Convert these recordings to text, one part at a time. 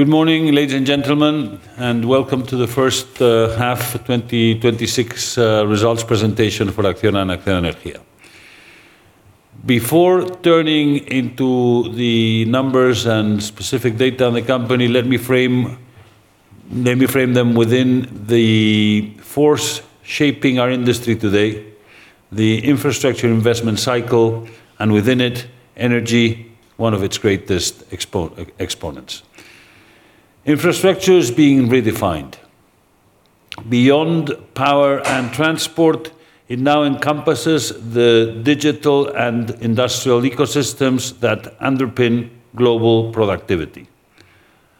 Good morning, ladies and gentlemen, welcome to the first half of 2026 results presentation for ACCIONA and ACCIONA Energía. Before turning into the numbers and specific data on the company, let me frame them within the force shaping our industry today, the infrastructure investment cycle, and within it, energy, one of its greatest exponents. Infrastructure is being redefined. Beyond power and transport, it now encompasses the digital and industrial ecosystems that underpin global productivity.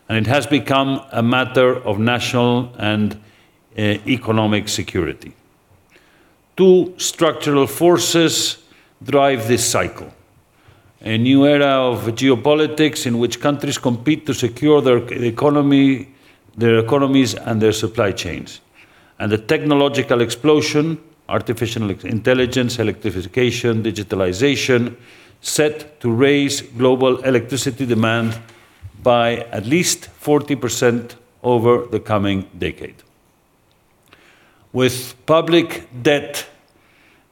It has become a matter of national and economic security. Two structural forces drive this cycle. A new era of geopolitics in which countries compete to secure their economies and their supply chains. The technological explosion, artificial intelligence, electrification, digitalization, set to raise global electricity demand by at least 40% over the coming decade. With public debt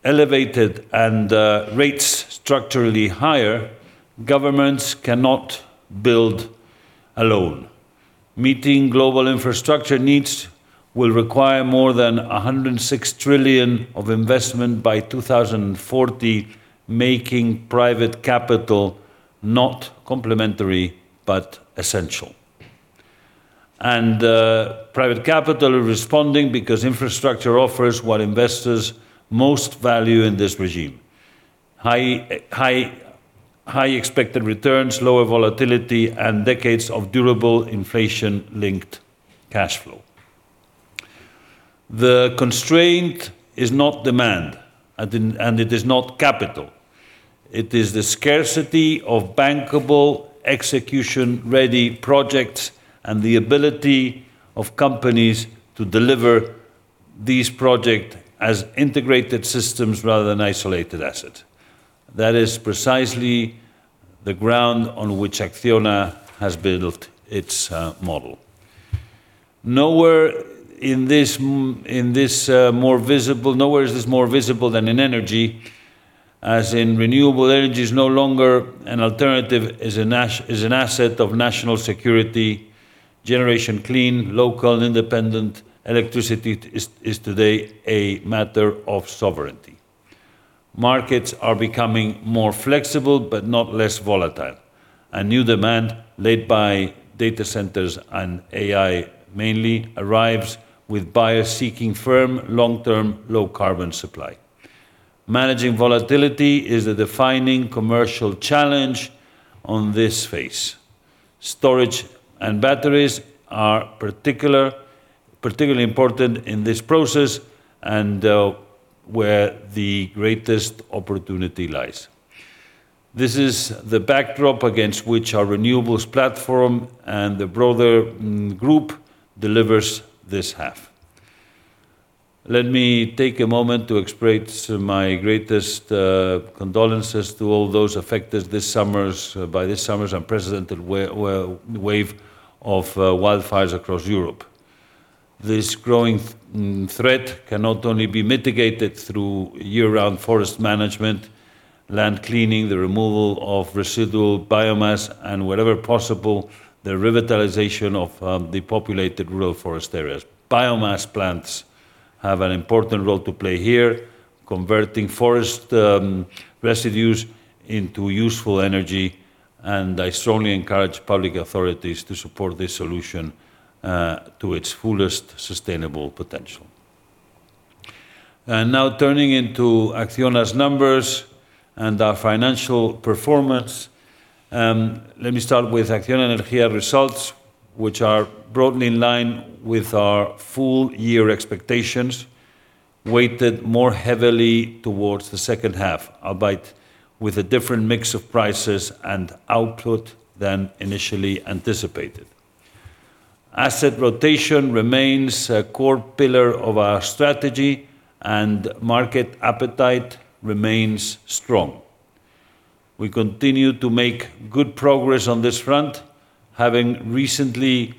elevated and rates structurally higher, governments cannot build alone. Meeting global infrastructure needs will require more than 106 trillion of investment by 2040, making private capital not complementary but essential. Private capital is responding because infrastructure offers what investors most value in this regime. High expected returns, lower volatility, and decades of durable inflation-linked cash flow. The constraint is not demand, it is not capital. It is the scarcity of bankable, execution-ready projects and the ability of companies to deliver these projects as integrated systems rather than isolated assets. That is precisely the ground on which ACCIONA has built its model. Nowhere is this more visible than in energy, as in renewable energy is no longer an alternative, is an asset of national security. Generation clean, local, independent electricity is today a matter of sovereignty. Markets are becoming more flexible but not less volatile. A new demand, led by data centers and AI mainly, arrives with buyers seeking firm, long-term, low-carbon supply. Managing volatility is the defining commercial challenge on this phase. Storage and batteries are particularly important in this process and where the greatest opportunity lies. This is the backdrop against which our renewables platform and the broader group delivers this half. Let me take a moment to express my greatest condolences to all those affected by this summer's unprecedented wave of wildfires across Europe. This growing threat can not only be mitigated through year-round forest management, land cleaning, the removal of residual biomass, and wherever possible, the revitalization of depopulated rural forest areas. Biomass plants have an important role to play here, converting forest residues into useful energy. I strongly encourage public authorities to support this solution to its fullest sustainable potential. Now turning into ACCIONA's numbers and our financial performance. Let me start with ACCIONA Energía results, which are broadly in line with our full-year expectations, weighted more heavily towards the second half, albeit with a different mix of prices and output than initially anticipated. Asset rotation remains a core pillar of our strategy. Market appetite remains strong. We continue to make good progress on this front, having recently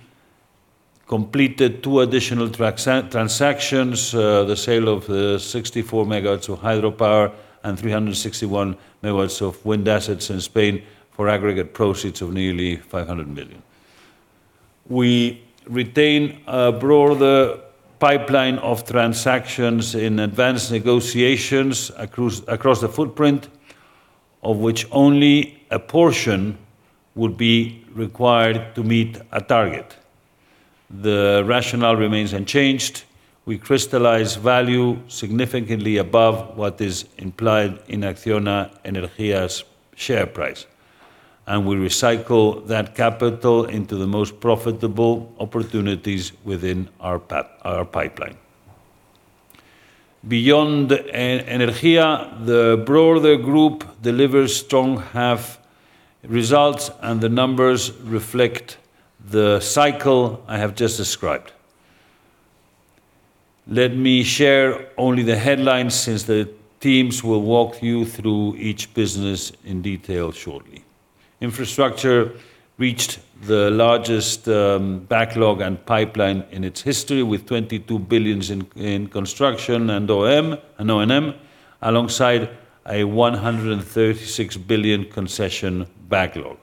completed two additional transactions, the sale of 64 MW of hydropower and 361 MW of wind assets in Spain for aggregate proceeds of nearly 500 million. We retain a broader pipeline of transactions in advanced negotiations across the footprint, of which only a portion would be required to meet a target. The rationale remains unchanged. We crystallize value significantly above what is implied in ACCIONA Energía's share price, and we recycle that capital into the most profitable opportunities within our pipeline. Beyond Energía, the broader group delivers strong half results, and the numbers reflect the cycle I have just described. Let me share only the headlines since the teams will walk you through each business in detail shortly. Infrastructure reached the largest backlog and pipeline in its history, with 22 billion in construction and O&M, alongside a 136 billion concession backlog,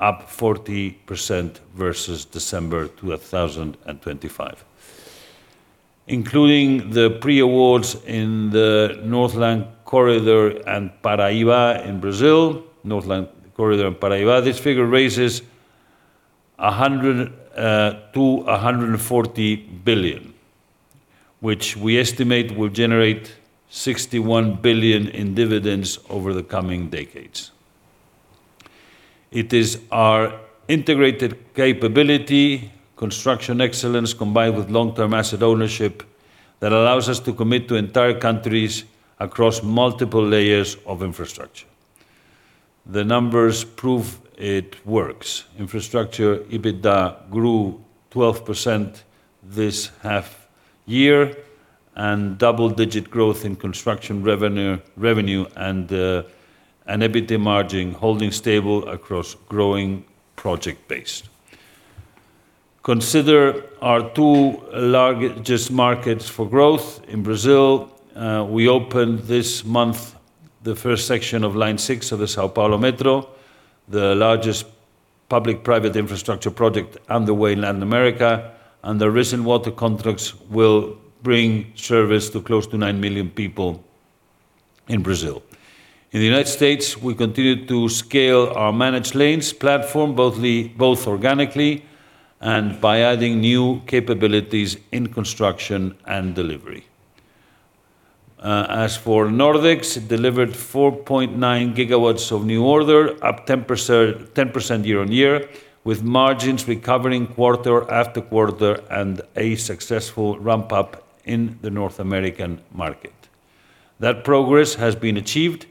up 40% versus December 2025. Including the pre-awards in the Northland Corridor and Paraíba in Brazil. Northland Corridor and Paraíba, this figure rises to 140 billion, which we estimate will generate 61 billion in dividends over the coming decades. It is our integrated capability, construction excellence, combined with long-term asset ownership that allows us to commit to entire countries across multiple layers of infrastructure. The numbers prove it works. Infrastructure EBITDA grew 12% this half year and double-digit growth in construction revenue and an EBITDA margin holding stable across growing project base. Consider our two largest markets for growth. In Brazil, we opened this month the first section of Line 6 of the São Paulo Metro, the largest public-private infrastructure project underway in Latin America, and the recent water contracts will bring service to close to nine million people in Brazil. In the U.S., we continue to scale our managed lanes platform, both organically and by adding new capabilities in construction and delivery. As for Nordex, it delivered 4.9 GW of new order, up 10% year-over-year, with margins recovering quarter after quarter and a successful ramp-up in the North American market. That progress has been achieved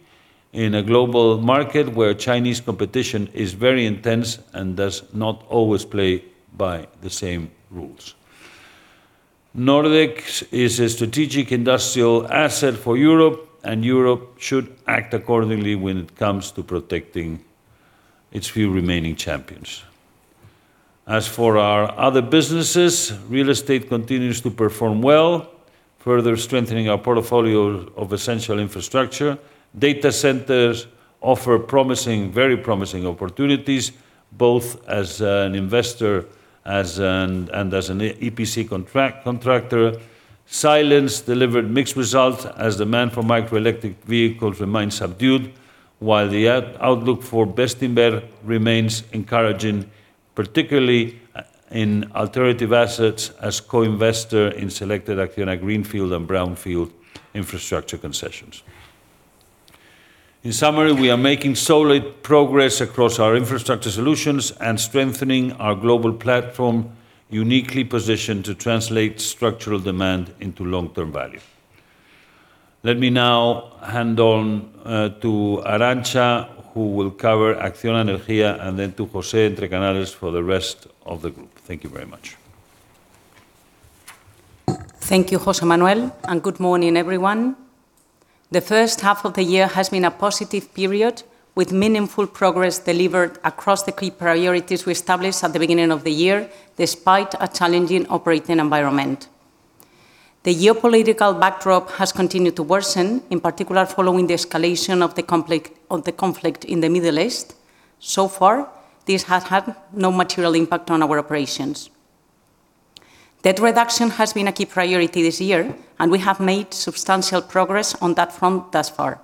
in a global market where Chinese competition is very intense and does not always play by the same rules. Nordex is a strategic industrial asset for Europe, and Europe should act accordingly when it comes to protecting its few remaining champions. As for our other businesses, real estate continues to perform well, further strengthening our portfolio of essential infrastructure. Data centers offer very promising opportunities, both as an investor and as an EPC contractor. Silence delivered mixed results as demand for micro electric vehicles remains subdued, while the outlook for Bestinver remains encouraging, particularly in alternative assets as co-investor in selected ACCIONA greenfield and brownfield infrastructure concessions. In summary, we are making solid progress across our infrastructure solutions and strengthening our global platform, uniquely positioned to translate structural demand into long-term value. Let me now hand on to Arantza, who will cover ACCIONA Energía, and then to José Entrecanales for the rest of the group. Thank you very much. Thank you, José Manuel, and good morning, everyone. The first half of the year has been a positive period with meaningful progress delivered across the key priorities we established at the beginning of the year, despite a challenging operating environment. The geopolitical backdrop has continued to worsen, in particular following the escalation of the conflict in the Middle East. So far, this has had no material impact on our operations. Debt reduction has been a key priority this year, and we have made substantial progress on that front thus far.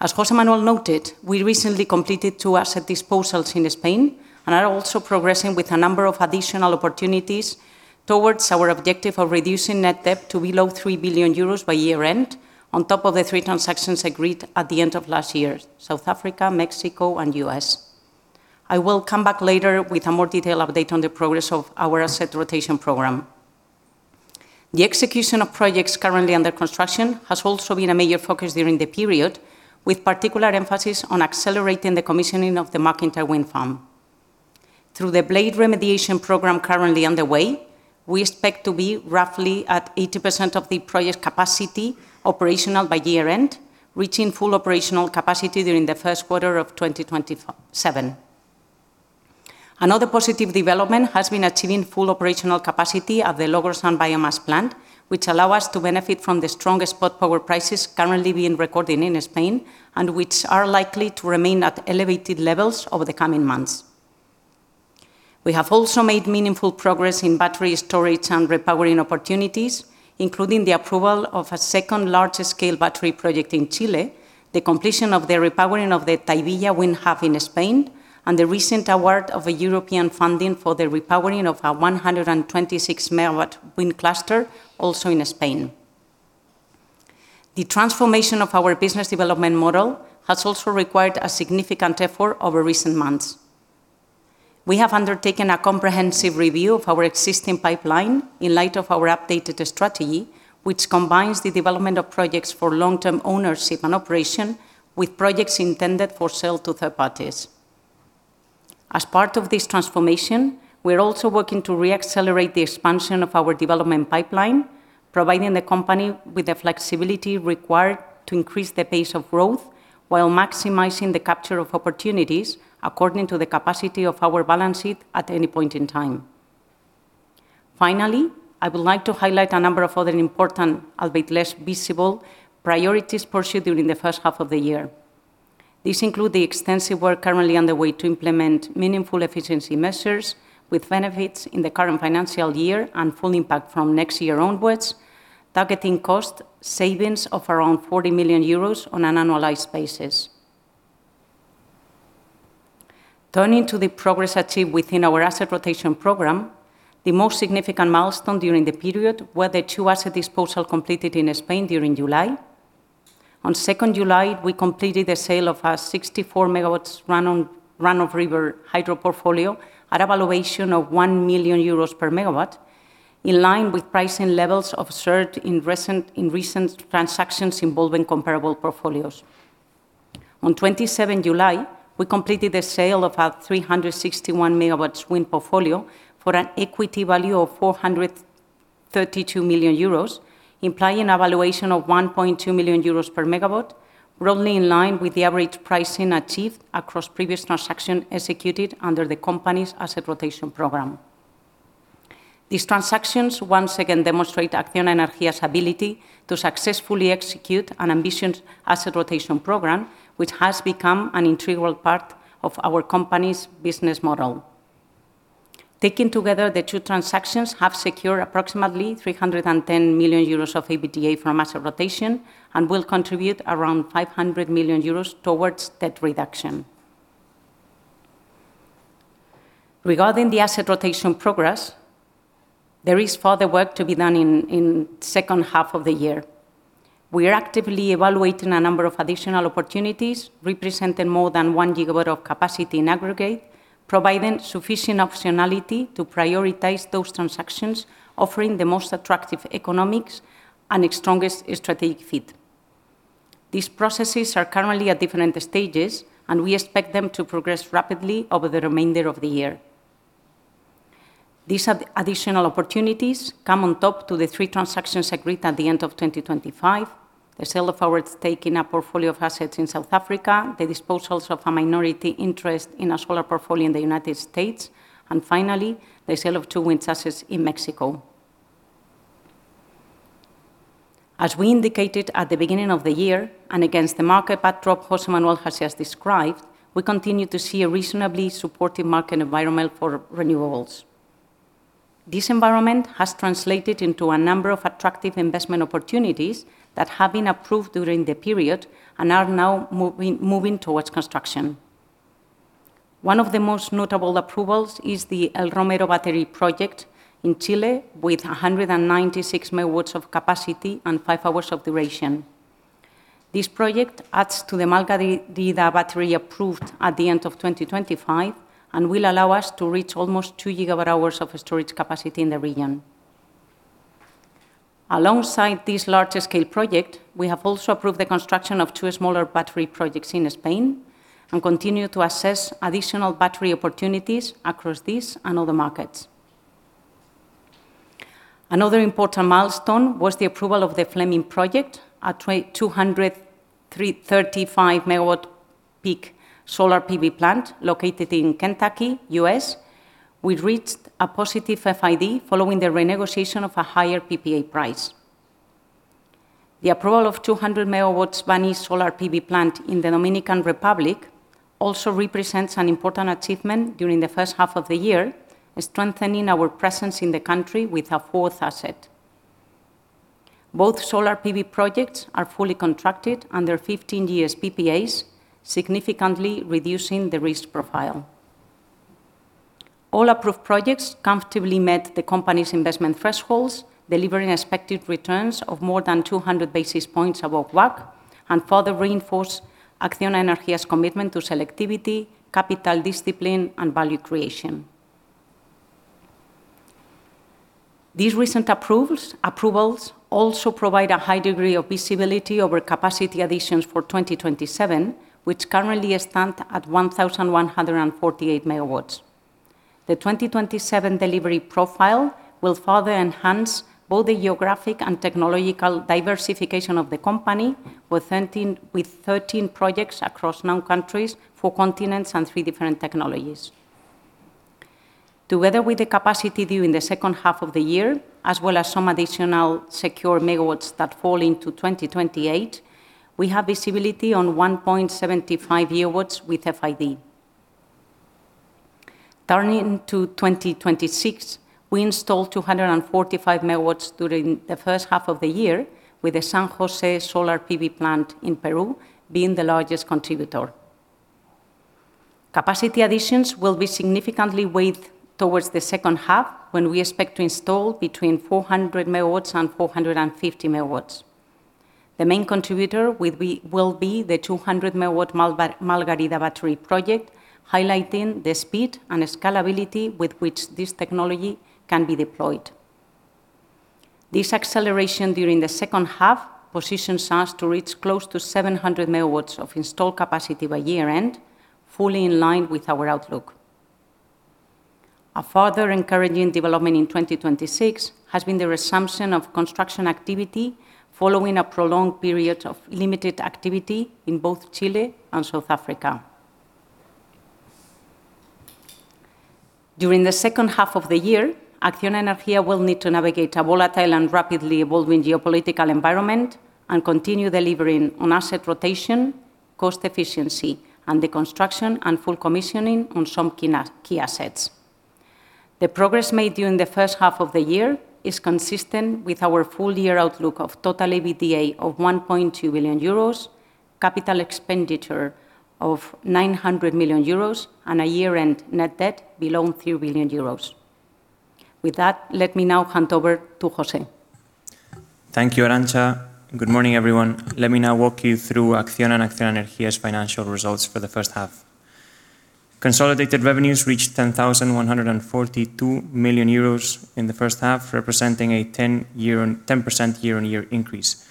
As José Manuel noted, we recently completed two asset disposals in Spain and are also progressing with a number of additional opportunities towards our objective of reducing net debt to below 3 billion euros by year-end, on top of the three transactions agreed at the end of last year, South Africa, Mexico, and U.S. I will come back later with a more detailed update on the progress of our asset rotation program. The execution of projects currently under construction has also been a major focus during the period, with particular emphasis on accelerating the commissioning of the MacIntyre Wind Farm. Through the blade remediation program currently underway, we expect to be roughly at 80% of the project capacity operational by year-end, reaching full operational capacity during the first quarter of 2027. Another positive development has been achieving full operational capacity at the Logrosán biomass plant, which allow us to benefit from the strongest spot power prices currently being recorded in Spain and which are likely to remain at elevated levels over the coming months. We have also made meaningful progress in battery storage and repowering opportunities, including the approval of a second large-scale battery project in Chile, the completion of the repowering of the Tahivilla Wind Farm in Spain, and the recent award of a European funding for the repowering of a 126-MW wind cluster also in Spain. The transformation of our business development model has also required a significant effort over recent months. We have undertaken a comprehensive review of our existing pipeline in light of our updated strategy, which combines the development of projects for long-term ownership and operation with projects intended for sale to third parties. As part of this transformation, we are also working to re-accelerate the expansion of our development pipeline, providing the company with the flexibility required to increase the pace of growth while maximizing the capture of opportunities according to the capacity of our balance sheet at any point in time. Finally, I would like to highlight a number of other important, albeit less visible, priorities pursued during the first half of the year. These include the extensive work currently underway to implement meaningful efficiency measures with benefits in the current financial year and full impact from next year onwards, targeting cost savings of around 40 million euros on an annualized basis. Turning to the progress achieved within our asset rotation program, the most significant milestone during the period were the two asset disposal completed in Spain during July. On July 2nd, we completed the sale of our 64 MW run-of-river hydro portfolio at a valuation of 1 million euros per megawatt, in line with pricing levels observed in recent transactions involving comparable portfolios. On July 27, we completed the sale of our 361 MW wind portfolio for an equity value of 432 million euros, implying a valuation of 1.2 million euros per megawatt, broadly in line with the average pricing achieved across previous transactions executed under the company's asset rotation program. These transactions once again demonstrate ACCIONA Energía's ability to successfully execute an ambitious asset rotation program, which has become an integral part of our company's business model. Taken together, the two transactions have secured approximately 310 million euros of EBITDA from asset rotation and will contribute around 500 million euros towards debt reduction. Regarding the asset rotation progress, there is further work to be done in the second half of the year. We are actively evaluating a number of additional opportunities, representing more than 1 GW of capacity in aggregate, providing sufficient optionality to prioritize those transactions offering the most attractive economics and the strongest strategic fit. These processes are currently at different stages, and we expect them to progress rapidly over the remainder of the year. These additional opportunities come on top to the three transactions agreed at the end of 2025, the sale of our stake in a portfolio of assets in South Africa, the disposals of a minority interest in a solar portfolio in the U.S., and finally, the sale of two wind assets in Mexico. As we indicated at the beginning of the year, and against the market backdrop José Manuel has just described, we continue to see a reasonably supportive market environment for renewables. This environment has translated into a number of attractive investment opportunities that have been approved during the period and are now moving towards construction. One of the most notable approvals is the El Romero battery project in Chile with 196 MW of capacity and five hours of duration. This project adds to the Margarita battery approved at the end of 2025 and will allow us to reach almost 2 GWh of storage capacity in the region. Alongside this larger scale project, we have also approved the construction of two smaller battery projects in Spain and continue to assess additional battery opportunities across these and other markets. Another important milestone was the approval of the Fleming project, a 235 MW peak solar PV plant located in Kentucky, U.S. We reached a positive FID following the renegotiation of a higher PPA price. The approval of 200 MW Baní solar PV plant in the Dominican Republic also represents an important achievement during the first half of the year, strengthening our presence in the country with a fourth asset. Both solar PV projects are fully contracted under 15-year PPAs, significantly reducing the risk profile. All approved projects comfortably met the company's investment thresholds, delivering expected returns of more than 200 basis points above WACC, and further reinforce ACCIONA Energía's commitment to selectivity, capital discipline, and value creation. These recent approvals also provide a high degree of visibility over capacity additions for 2027, which currently stand at 1,148 MW. The 2027 delivery profile will further enhance both the geographic and technological diversification of the company with 13 projects across nine countries, four continents, and three different technologies. Together with the capacity due in the second half of the year, as well as some additional secure megawatts that fall into 2028, we have visibility on 1.75 GW with FID. Turning to 2026, we installed 245 MW during the first half of the year, with the San José solar PV plant in Peru being the largest contributor. Capacity additions will be significantly weighed towards the second half when we expect to install between 400 MW and 450 MW. The main contributor will be the 200 MW Margarita battery project, highlighting the speed and scalability with which this technology can be deployed. This acceleration during the second half positions us to reach close to 700 MW of installed capacity by year-end, fully in line with our outlook. A further encouraging development in 2026 has been the resumption of construction activity following a prolonged period of limited activity in both Chile and South Africa. During the second half of the year, ACCIONA Energía will need to navigate a volatile and rapidly evolving geopolitical environment and continue delivering on asset rotation, cost efficiency, and the construction and full commissioning on some key assets. The progress made during the first half of the year is consistent with our full year outlook of total EBITDA of 1.2 billion euros, capital expenditure of 900 million euros, and a year-end net debt below 3 billion euros. With that, let me now hand over to José. Thank you, Arantza. Good morning, everyone. Let me now walk you through ACCIONA and ACCIONA Energía's financial results for the first half. Consolidated revenues reached 10,142 million euros in the first half, representing a 10% year-on-year increase.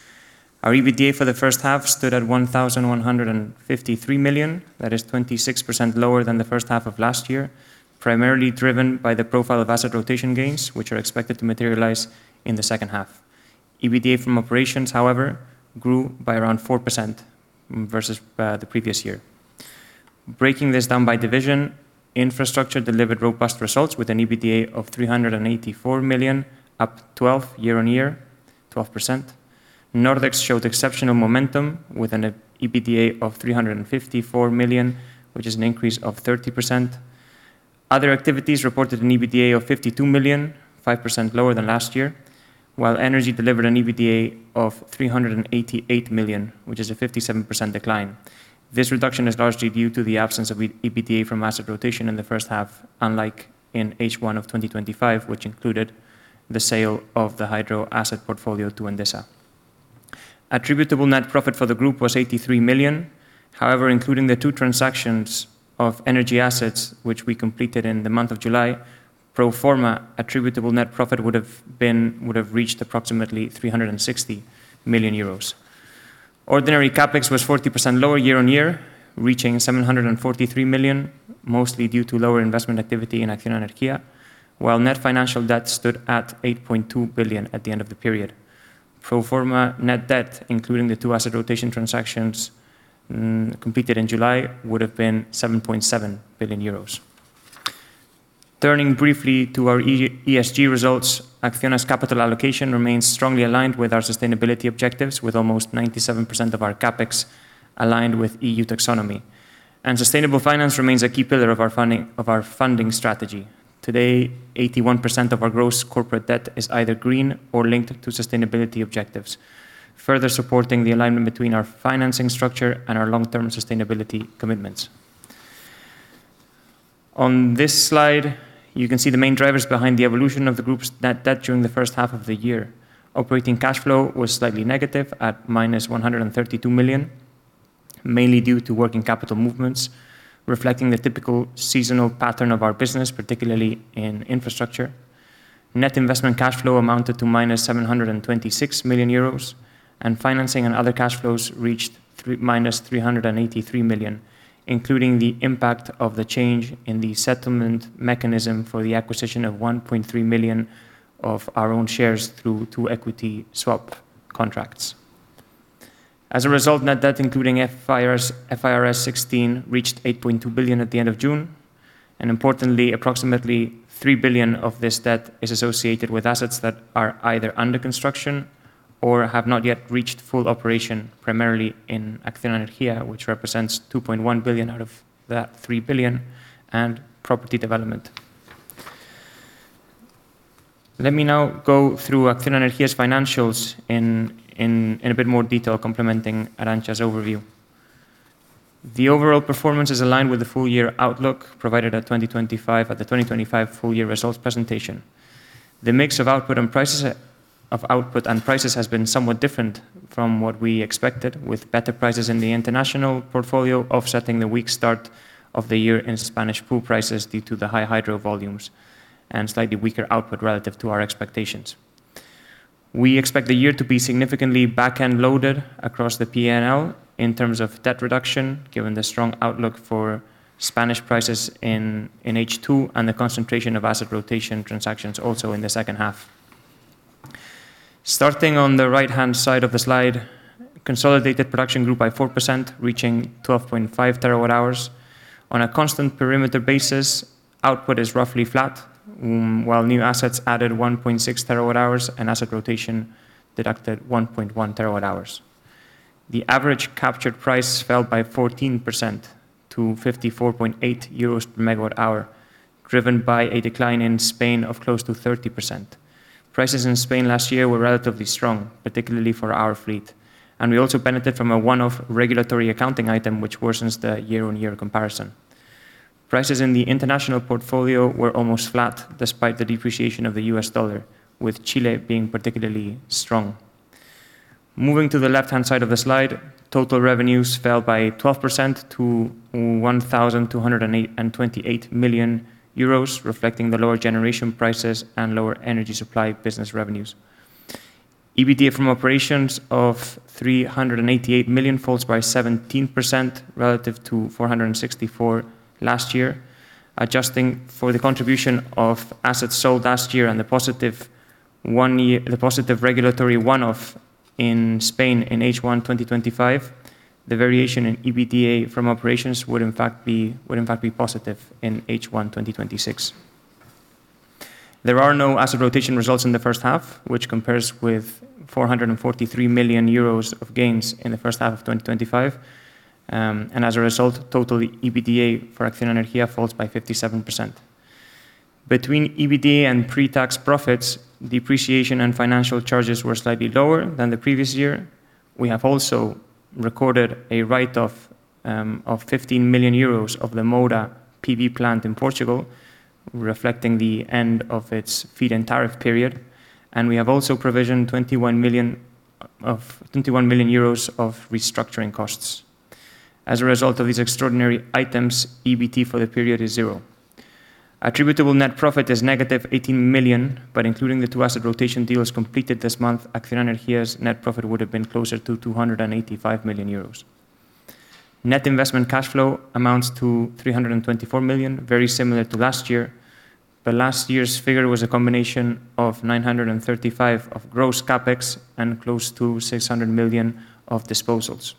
Our EBITDA for the first half stood at 1,153 million. That is 26% lower than the first half of last year, primarily driven by the profile of asset rotation gains, which are expected to materialize in the second half. EBITDA from operations, however, grew by around 4% versus the previous year. Breaking this down by division, infrastructure delivered robust results with an EBITDA of 384 million, up 12% year-on-year. Nordex showed exceptional momentum with an EBITDA of 354 million, which is an increase of 30%. Other activities reported an EBITDA of 52 million, 5% lower than last year, while Energy delivered an EBITDA of 388 million, which is a 57% decline. This reduction is largely due to the absence of EBITDA from asset rotation in the first half, unlike in H1 of 2025, which included the sale of the hydro asset portfolio to Endesa. Attributable net profit for the group was 83 million. However, including the two transactions of energy assets which we completed in the month of July, pro forma attributable net profit would have reached approximately 360 million euros. Ordinary CapEx was 40% lower year-on-year, reaching 743 million, mostly due to lower investment activity in ACCIONA Energía. While net financial debt stood at 8.2 billion at the end of the period. Pro forma net debt, including the two asset rotation transactions completed in July, would have been 7.7 billion euros. Turning briefly to our ESG results, ACCIONA's capital allocation remains strongly aligned with our sustainability objectives, with almost 97% of our CapEx aligned with EU taxonomy. Sustainable finance remains a key pillar of our funding strategy. Today, 81% of our gross corporate debt is either green or linked to sustainability objectives, further supporting the alignment between our financing structure and our long-term sustainability commitments. On this slide, you can see the main drivers behind the evolution of the group's net debt during the first half of the year. Operating cash flow was slightly negative at -132 million, mainly due to working capital movements, reflecting the typical seasonal pattern of our business, particularly in infrastructure. Net investment cash flow amounted to -726 million euros, and financing and other cash flows reached -383 million, including the impact of the change in the settlement mechanism for the acquisition of 1.3 million of our own shares through two equity swap contracts. As a result, net debt, including IFRS 16, reached 8.2 billion at the end of June, and importantly, approximately 3 billion of this debt is associated with assets that are either under construction or have not yet reached full operation, primarily in ACCIONA Energía, which represents 2.1 billion out of that 3 billion and property development. Let me now go through ACCIONA Energía's financials in a bit more detail, complementing Arantza's overview. The overall performance is aligned with the full-year outlook provided at the 2025 full-year results presentation. The mix of output and prices has been somewhat different from what we expected, with better prices in the international portfolio offsetting the weak start of the year in Spanish pool prices due to the high hydro volumes and slightly weaker output relative to our expectations. We expect the year to be significantly back-end loaded across the P&L in terms of debt reduction, given the strong outlook for Spanish prices in H2 and the concentration of asset rotation transactions also in the second half. Starting on the right-hand side of the slide, consolidated production grew by 4%, reaching 12.5 TWh. On a constant perimeter basis, output is roughly flat, while new assets added 1.6 TWh and asset rotation deducted 1.1 TWh. The average captured price fell by 14% to 54.8 euros per megawatt hour, driven by a decline in Spain of close to 30%. Prices in Spain last year were relatively strong, particularly for our fleet, and we also benefited from a one-off regulatory accounting item, which worsens the year-on-year comparison. Prices in the international portfolio were almost flat despite the depreciation of the U.S. dollar, with Chile being particularly strong. Moving to the left-hand side of the slide, total revenues fell by 12% to 1,228 million euros, reflecting the lower generation prices and lower energy supply business revenues. EBITDA from operations of 388 million falls by 17% relative to 464 million last year. Adjusting for the contribution of assets sold last year and the positive regulatory one-off in Spain in H1 2025, the variation in EBITDA from operations would in fact be positive in H1 2026. There are no asset rotation results in the first half, which compares with 443 million euros of gains in the first half of 2025. As a result, total EBITDA for ACCIONA Energía falls by 57%. Between EBITDA and pre-tax profits, depreciation and financial charges were slightly lower than the previous year. We have also recorded a write-off of 15 million euros of the Moura PV plant in Portugal, reflecting the end of its feed-in tariff period, and we have also provisioned 21 million of restructuring costs. As a result of these extraordinary items, EBT for the period is zero. Attributable net profit is -18 million, but including the two asset rotation deals completed this month, ACCIONA Energía's net profit would have been closer to 285 million euros. Net investment cash flow amounts to 324 million, very similar to last year, but last year's figure was a combination of 935 of gross CapEx and close to 600 million of disposals.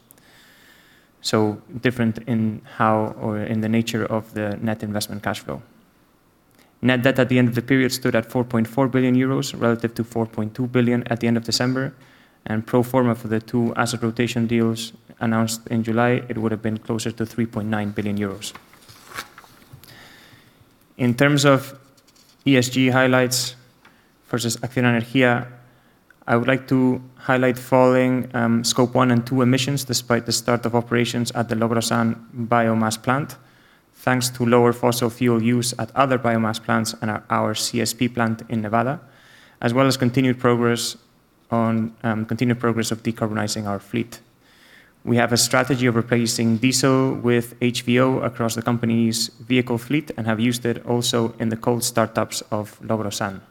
Different in the nature of the net investment cash flow. Net debt at the end of the period stood at 4.4 billion euros relative to 4.2 billion at the end of December. Pro forma for the two asset rotation deals announced in July, it would've been closer to 3.9 billion euros. In terms of ESG highlights versus ACCIONA Energía, I would like to highlight falling Scope 1 and Scope 2 emissions despite the start of operations at the Logrosán biomass plant, thanks to lower fossil fuel use at other biomass plants and our CSP plant in Nevada, as well as continued progress of decarbonizing our fleet. We have a strategy of replacing diesel with HVO across the company's vehicle fleet and have used it also in the cold startups of Logrosán.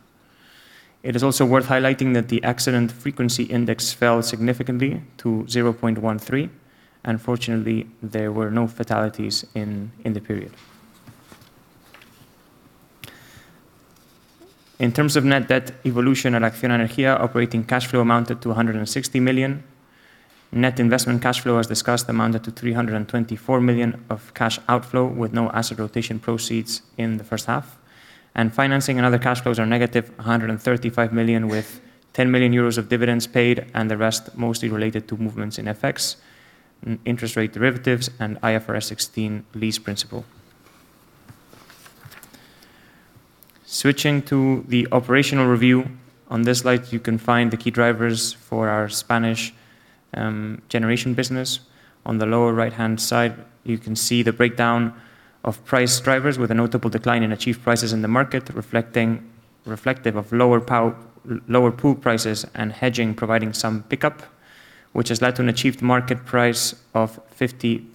It is also worth highlighting that the accident frequency index fell significantly to 0.13, and fortunately, there were no fatalities in the period. In terms of net debt evolution at ACCIONA Energía, operating cash flow amounted to 160 million. Net investment cash flow, as discussed, amounted to 324 million of cash outflow with no asset rotation proceeds in the first half. Financing and other cash flows are -135 million, with 10 million euros of dividends paid and the rest mostly related to movements in FX, interest rate derivatives, and IFRS 16 lease principle. Switching to the operational review. On this slide, you can find the key drivers for our Spanish generation business. On the lower right-hand side, you can see the breakdown of price drivers with a notable decline in achieved prices in the market, reflective of lower pool prices and hedging providing some pickup, which has led to an achieved market price of 50.6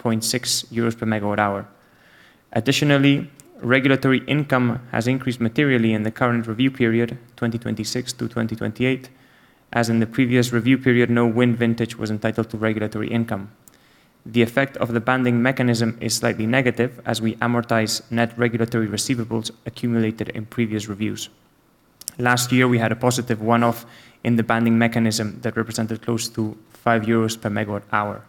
euros per megawatt hour. Additionally, regulatory income has increased materially in the current review period, 2026-2028. As in the previous review period, no wind vintage was entitled to regulatory income. The effect of the banding mechanism is slightly negative as we amortize net regulatory receivables accumulated in previous reviews. Last year, we had a positive one-off in the banding mechanism that represented close to 5 euros per megawatt hour.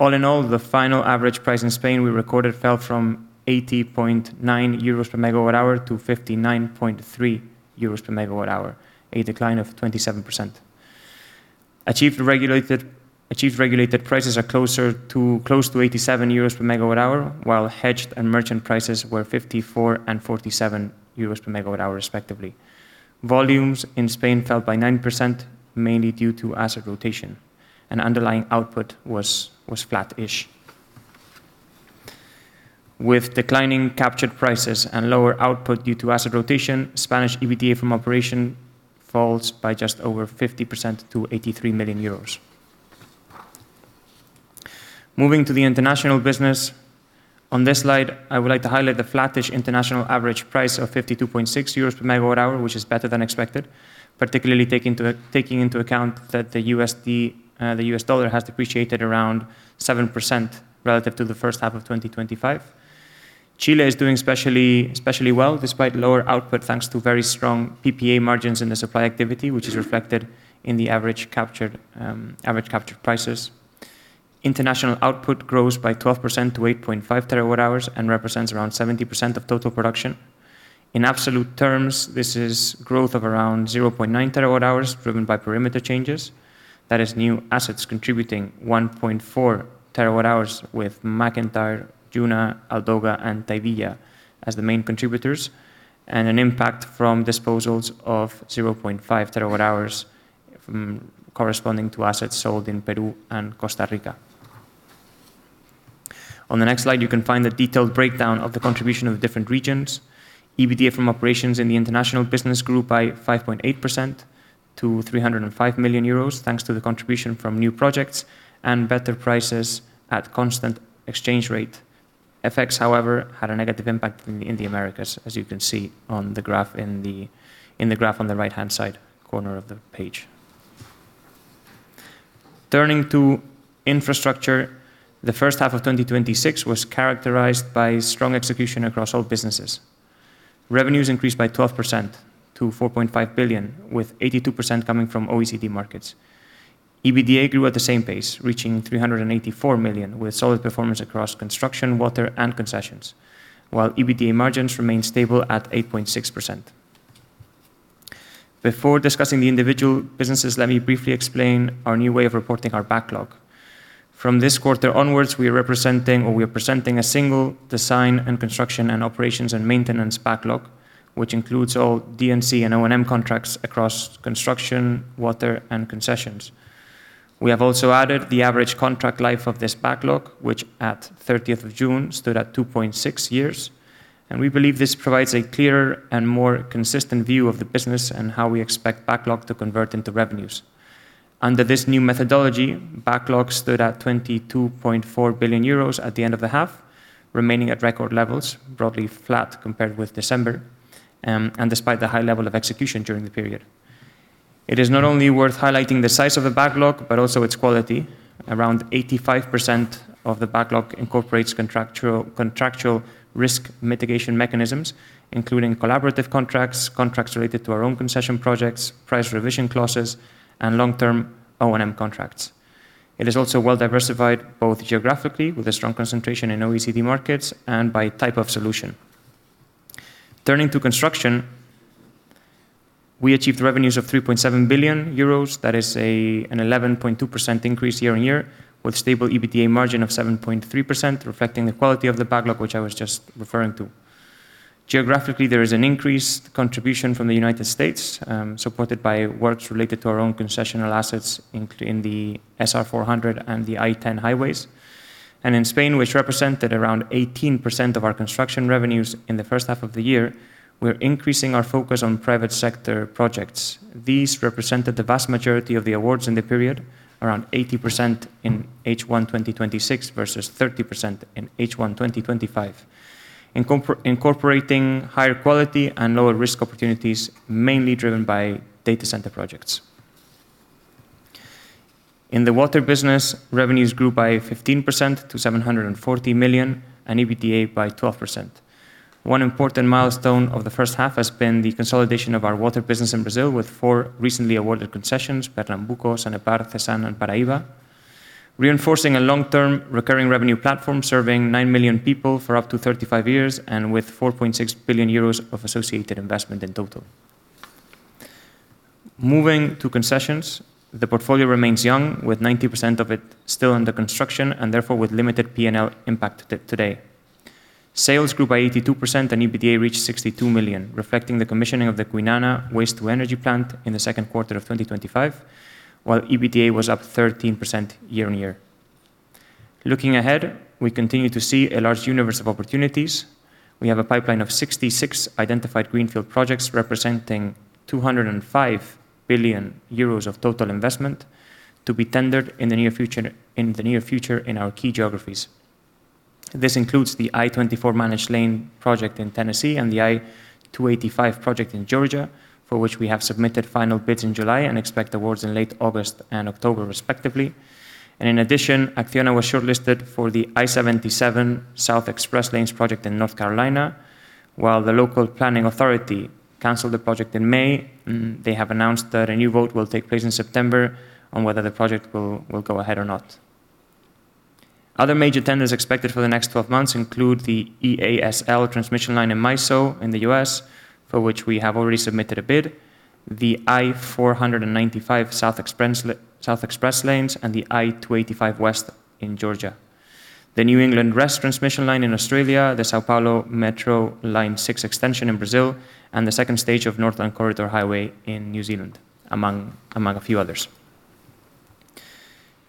All in all, the final average price in Spain we recorded fell from 80.9 euros per megawatt hour to 59.3 euros per megawatt hour, a decline of 27%. Achieved regulated prices are close to 87 euros per megawatt hour, while hedged and merchant prices were 54 and 47 euros per megawatt hour respectively. Volumes in Spain fell by 9%, mainly due to asset rotation, and underlying output was flat-ish. With declining captured prices and lower output due to asset rotation, Spanish EBITDA from operation falls by just over 50% to 83 million euros. Moving to the international business. On this slide, I would like to highlight the flattish international average price of 52.6 euros per megawatt hour, which is better than expected, particularly taking into account that the U.S. dollar has depreciated around 7% relative to the first half of 2025. Chile is doing especially well despite lower output, thanks to very strong PPA margins in the supply activity, which is reflected in the average captured prices. International output grows by 12% to 8.5 TWh and represents around 70% of total production. In absolute terms, this is growth of around 0.9 TWh driven by perimeter changes. That is new assets contributing 1.4 TWh with MacIntyre, Heron, Aldoga, and Tahivilla as the main contributors, and an impact from disposals of 0.5 TWh corresponding to assets sold in Peru and Costa Rica. On the next slide, you can find the detailed breakdown of the contribution of the different regions. EBITDA from operations in the international business grew by 5.8% to 305 million euros, thanks to the contribution from new projects and better prices at constant exchange rate. FX, however, had a negative impact in the Americas, as you can see on the graph on the right-hand side corner of the page. Turning to infrastructure, the first half of 2026 was characterized by strong execution across all businesses. Revenues increased by 12% to 4.5 billion, with 82% coming from OECD markets. EBITDA grew at the same pace, reaching 384 million, with solid performance across construction, water, and concessions, while EBITDA margins remained stable at 8.6%. Before discussing the individual businesses, let me briefly explain our new way of reporting our backlog. From this quarter onwards, we are presenting a single design and construction and operations and maintenance backlog, which includes all D&C and O&M contracts across construction, water, and concessions. We have also added the average contract life of this backlog, which at June 30th stood at 2.6 years. We believe this provides a clearer and more consistent view of the business and how we expect backlog to convert into revenues. Under this new methodology, backlog stood at 22.4 billion euros at the end of the half, remaining at record levels, broadly flat compared with December, despite the high level of execution during the period. It is not only worth highlighting the size of the backlog, but also its quality. Around 85% of the backlog incorporates contractual risk mitigation mechanisms, including collaborative contracts related to our own concession projects, price revision clauses, and long-term O&M contracts. It is also well-diversified, both geographically, with a strong concentration in OECD markets, and by type of solution. Turning to construction, we achieved revenues of 3.7 billion euros. That is an 11.2% increase year-on-year, with stable EBITDA margin of 7.3%, reflecting the quality of the backlog, which I was just referring to. Geographically, there is an increased contribution from the United States, supported by works related to our own concessional assets in the SR 400 and the I-10 highways. In Spain, which represented around 18% of our construction revenues in the first half of the year, we're increasing our focus on private sector projects. These represented the vast majority of the awards in the period, around 80% in H1 2026 versus 30% in H1 2025, incorporating higher quality and lower risk opportunities, mainly driven by data center projects. In the water business, revenues grew by 15% to 740 million and EBITDA by 12%. One important milestone of the first half has been the consolidation of our water business in Brazil, with four recently awarded concessions, Pernambuco, Sanepar, Tejo Atlântico, and Paraíba, reinforcing a long-term recurring revenue platform, serving 9 million people for up to 35 years, and with 4.6 billion euros of associated investment in total. Moving to concessions, the portfolio remains young, with 90% of it still under construction and therefore with limited P&L impact today. Sales grew by 82% and EBITDA reached 62 million, reflecting the commissioning of the Kwinana Waste-to-Energy plant in the second quarter of 2025, while EBITDA was up 13% year-on-year. Looking ahead, we continue to see a large universe of opportunities. We have a pipeline of 66 identified greenfield projects, representing 205 billion euros of total investment to be tendered in the near future in our key geographies. This includes the I-24 managed lane project in Tennessee and the I-285 project in Georgia, for which we have submitted final bids in July and expect awards in late August and October respectively. In addition, ACCIONA was shortlisted for the I-77 South Express Lanes project in North Carolina. While the local planning authority canceled the project in May, they have announced that a new vote will take place in September on whether the project will go ahead or not. Other major tenders expected for the next 12 months include the EASL transmission line in MISO in the U.S., for which we have already submitted a bid, the I-495 South Express Lanes, and the I-285 West in Georgia, the New England REZ transmission line in Australia, the São Paulo Metro Line 6 extension in Brazil, and the second stage of Northland Corridor Highway in New Zealand, among a few others.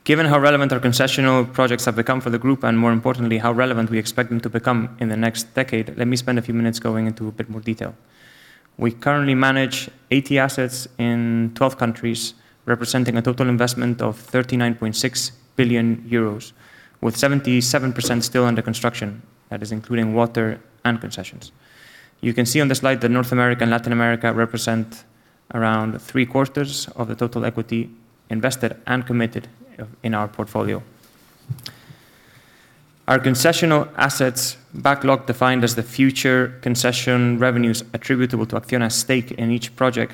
Given how relevant our concessional projects have become for the group, and more importantly, how relevant we expect them to become in the next decade, let me spend a few minutes going into a bit more detail. We currently manage 80 assets in 12 countries, representing a total investment of 39.6 billion euros, with 77% still under construction. That is including water and concessions. You can see on the slide that North America and Latin America represent around three-quarters of the total equity invested and committed in our portfolio. Our concessional assets backlog, defined as the future concession revenues attributable to ACCIONA's stake in each project,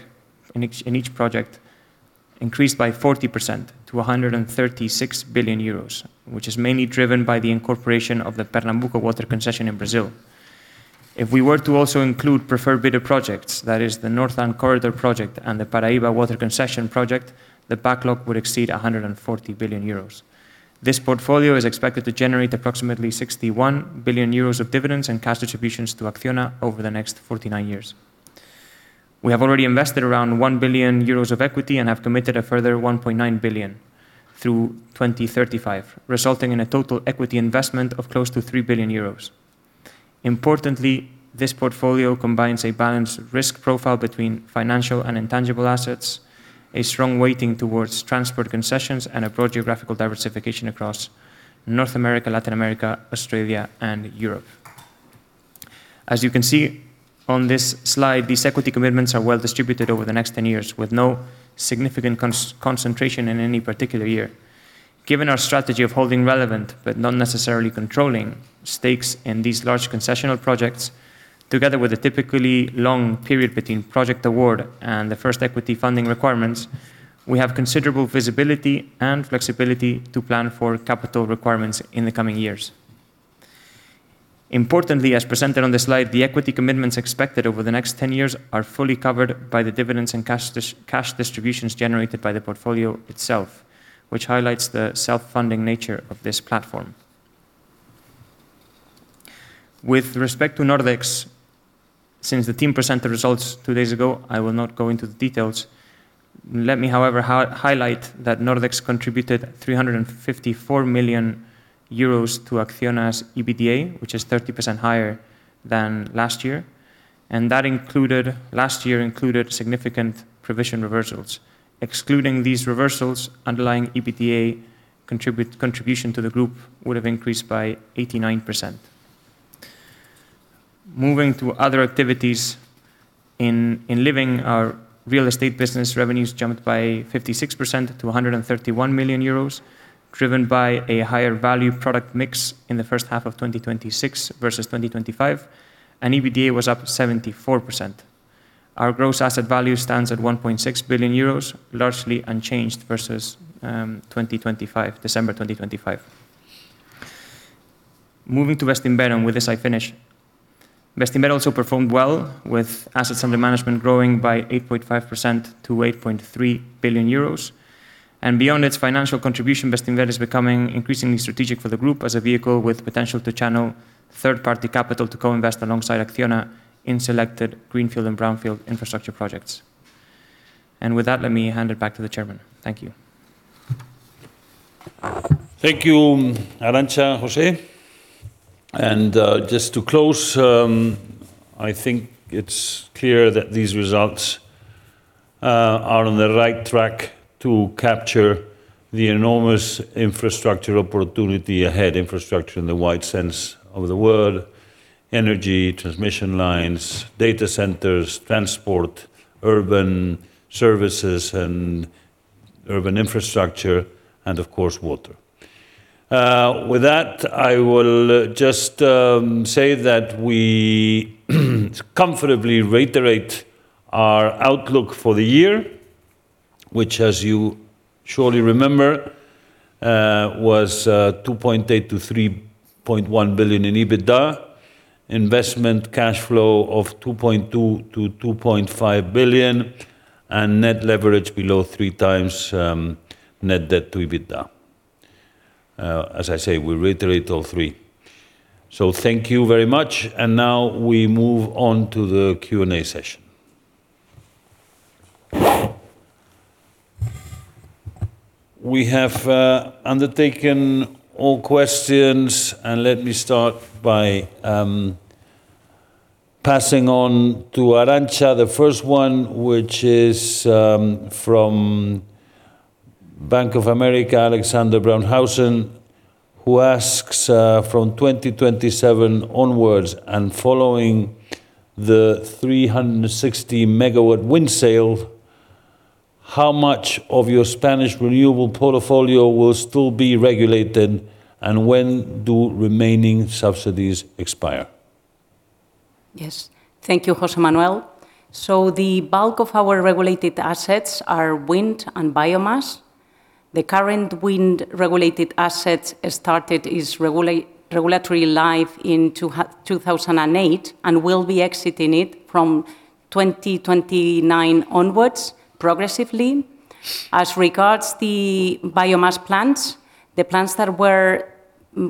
increased by 40% to 136 billion euros, which is mainly driven by the incorporation of the Pernambuco water concession in Brazil. If we were to also include preferred bidder projects, that is the Northland Corridor project and the Paraíba water concession project, the backlog would exceed 140 billion euros. This portfolio is expected to generate approximately 61 billion euros of dividends and cash distributions to ACCIONA over the next 49 years. We have already invested around 1 billion euros of equity and have committed a further 1.9 billion through 2035, resulting in a total equity investment of close to 3 billion euros. Importantly, this portfolio combines a balanced risk profile between financial and intangible assets, a strong weighting towards transport concessions, and a broad geographical diversification across North America, Latin America, Australia, and Europe. As you can see on this slide, these equity commitments are well-distributed over the next 10 years, with no significant concentration in any particular year. Given our strategy of holding relevant, but not necessarily controlling, stakes in these large concessional projects, together with a typically long period between project award and the first equity funding requirements, we have considerable visibility and flexibility to plan for capital requirements in the coming years. Importantly, as presented on this slide, the equity commitments expected over the next 10 years are fully covered by the dividends and cash distributions generated by the portfolio itself, which highlights the self-funding nature of this platform. With respect to Nordex, since the team presented results two days ago, I will not go into the details. Let me, however, highlight that Nordex contributed 354 million euros to ACCIONA's EBITDA, which is 30% higher than last year. Last year included significant provision reversals. Excluding these reversals, underlying EBITDA contribution to the group would have increased by 89%. Moving to other activities. In Living, our real estate business revenues jumped by 56% to 131 million euros, driven by a higher value product mix in the first half of 2026 versus 2025, and EBITDA was up 74%. Our gross asset value stands at 1.6 billion euros, largely unchanged versus December 2025. Moving to Bestinver, with this I finish. Bestinver also performed well, with assets under management growing by 8.5% to 8.3 billion euros. Beyond its financial contribution, Bestinver is becoming increasingly strategic for the group as a vehicle with potential to channel third-party capital to co-invest alongside ACCIONA in selected greenfield and brownfield infrastructure projects. With that, let me hand it back to the Chairman. Thank you. Thank you, Arantza, José. Just to close, I think it's clear that these results are on the right track to capture the enormous infrastructure opportunity ahead, infrastructure in the wide sense of the word, energy, transmission lines, data centers, transport, urban services and urban infrastructure and, of course, water. With that, I will just say that we comfortably reiterate our outlook for the year, which, as you surely remember, was 2.8 billion-3.1 billion in EBITDA, investment cash flow of 2.2 billion-2.5 billion, and net leverage below 3x net debt to EBITDA. As I say, we reiterate all three. Thank you very much. Now we move on to the Q&A session. We have undertaken all questions. Let me start by passing on to Arantza the first one, which is from Bank of America, Alexandre Roncier, who asks, "From 2027 onwards, and following the 360 MW wind sale, how much of your Spanish renewable portfolio will still be regulated, and when do remaining subsidies expire? Yes. Thank you, José Manuel. The bulk of our regulated assets are wind and biomass. The current wind-regulated assets started its regulatory life in 2008 and will be exiting it from 2029 onwards progressively. As regards the biomass plants, the plants that were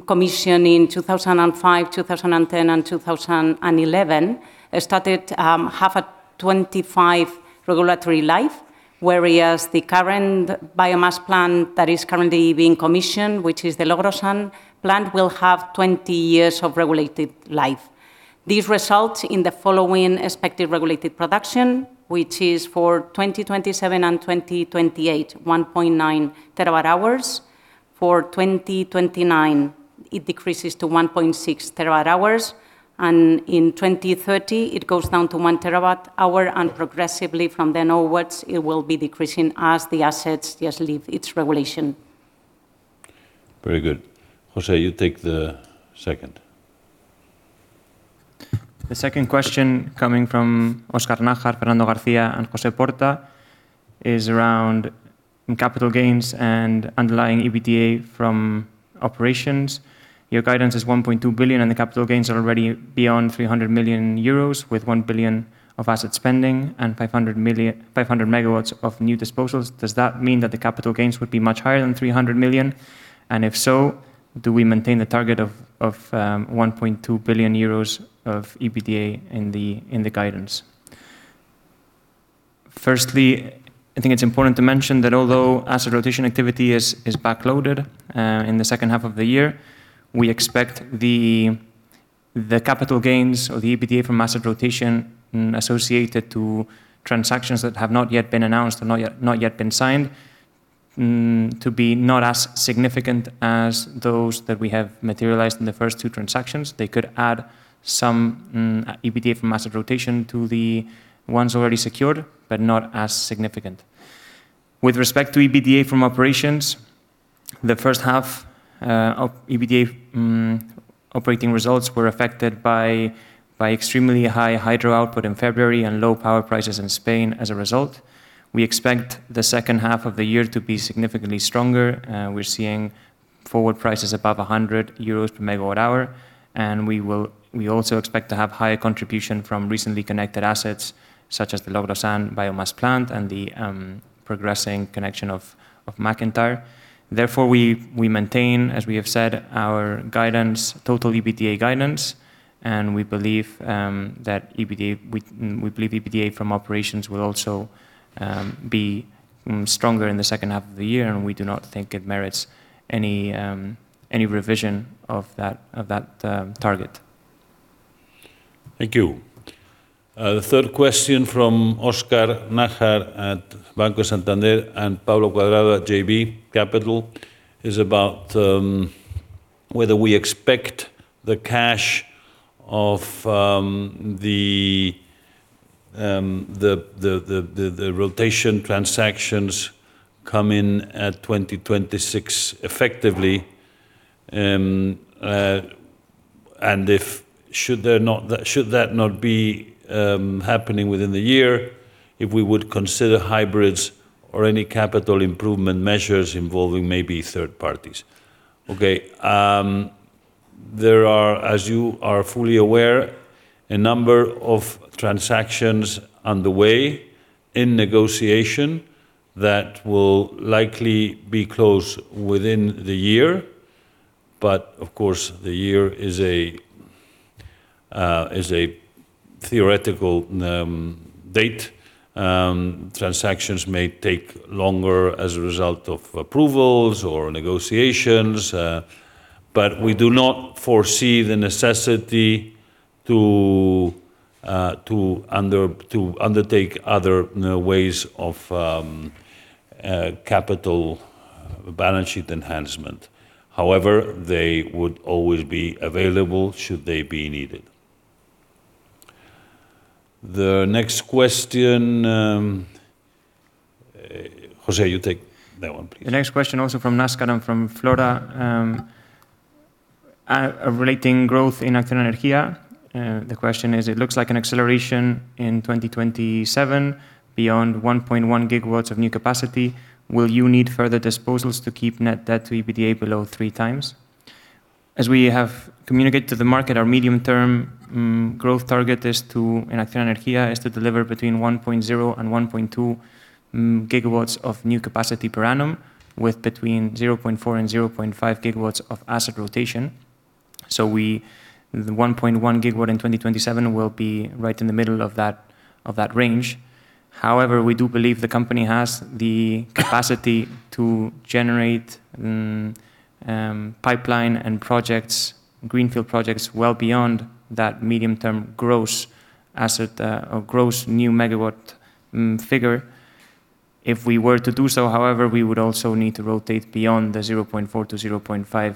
commissioned in 2005, 2010, and 2011 started half at 25 regulatory life, whereas the current biomass plant that is currently being commissioned, which is the Logrosán plant, will have 20 years of regulated life. These result in the following expected regulated production, which is for 2027 and 2028, 1.9 TWh. For 2029, it decreases to 1.6 TWh. In 2030, it goes down to 1 TWh, and progressively from then onwards it will be decreasing as the assets just leave its regulation. Very good. José, you take the second. The second question coming from Óscar Nájar, Fernando García, and José Porta is around capital gains and underlying EBITDA from operations. Your guidance is 1.2 billion, and the capital gains are already beyond 300 million euros, with 1 billion of asset spending and 500 MW of new disposals. Does that mean that the capital gains would be much higher than 300 million? If so, do we maintain the target of 1.2 billion euros of EBITDA in the guidance? Firstly, I think it's important to mention that although asset rotation activity is back-loaded in the second half of the year, we expect the capital gains or the EBITDA from asset rotation associated to transactions that have not yet been announced or not yet been signed, to be not as significant as those that we have materialized in the first two transactions. They could add some EBITDA from asset rotation to the ones already secured, but not as significant. With respect to EBITDA from operations, the first half of EBITDA operating results were affected by extremely high hydro output in February and low power prices in Spain as a result. We expect the second half of the year to be significantly stronger. We are seeing forward prices above 100 euros per megawatt hour. We also expect to have higher contribution from recently connected assets such as the Logrosán biomass plant and the progressing connection of MacIntyre. Therefore, we maintain, as we have said, our total EBITDA guidance, and we believe EBITDA from operations will also be stronger in the second half of the year, and we do not think it merits any revision of that target. Thank you. The third question from Óscar Nájar at Banco Santander and Pablo Cuadrado at JB Capital is about whether we expect the cash of the rotation transactions come in at 2026 effectively. Should that not be happening within the year, if we would consider hybrids or any capital improvement measures involving maybe third parties. Okay. There are, as you are fully aware, a number of transactions on the way in negotiation that will likely be closed within the year. Of course, the year is a theoretical date. Transactions may take longer as a result of approvals or negotiations. We do not foresee the necessity to undertake other ways of capital balance sheet enhancement. However, they would always be available should they be needed. The next question. José, you take that one, please. The next question also from Óscar and from Flora, relating growth in ACCIONA Energía. The question is: It looks like an acceleration in 2027 beyond 1.1 GW of new capacity. Will you need further disposals to keep net debt to EBITDA below 3x? As we have communicated to the market, our medium-term growth target in ACCIONA Energía is to deliver between 1.0 GW and 1.2 GW of new capacity per annum, with between 0.4 GW and 0.5 GW of asset rotation. The 1.1 GW in 2027 will be right in the middle of that range. However, we do believe the company has the capacity to generate pipeline and greenfield projects well beyond that medium-term gross new megawatt figure. If we were to do so, however, we would also need to rotate beyond the 0.4 GW to 0.5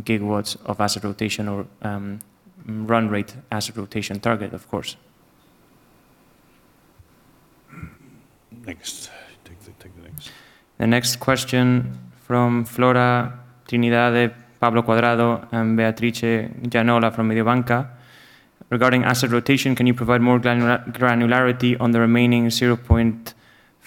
GW of asset rotation or run rate asset rotation target, of course. Next. Take the next. The next question from Flora Trindade, Pablo Cuadrado, and Beatrice Gianola from Mediobanca: Regarding asset rotation, can you provide more granularity on the remaining 0.5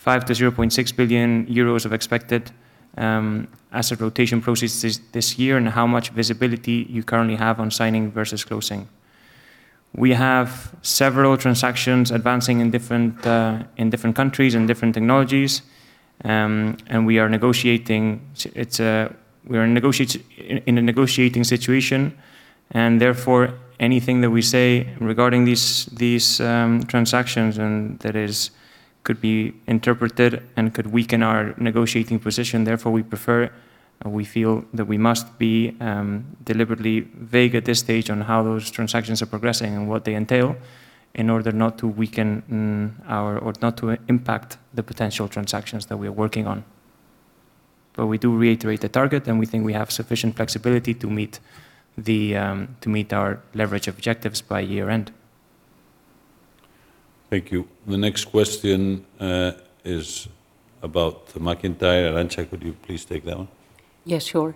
billion-0.6 billion euros of expected asset rotation processes this year, and how much visibility you currently have on signing versus closing? We have several transactions advancing in different countries and different technologies. We are in a negotiating situation, and therefore, anything that we say regarding these transactions and that could be interpreted and could weaken our negotiating position. Therefore, we feel that we must be deliberately vague at this stage on how those transactions are progressing and what they entail in order not to weaken or not to impact the potential transactions that we are working on. We do reiterate the target, and we think we have sufficient flexibility to meet our leverage objectives by year-end. Thank you. The next question is about the MacIntyre. Arantza, could you please take that one? Yes, sure.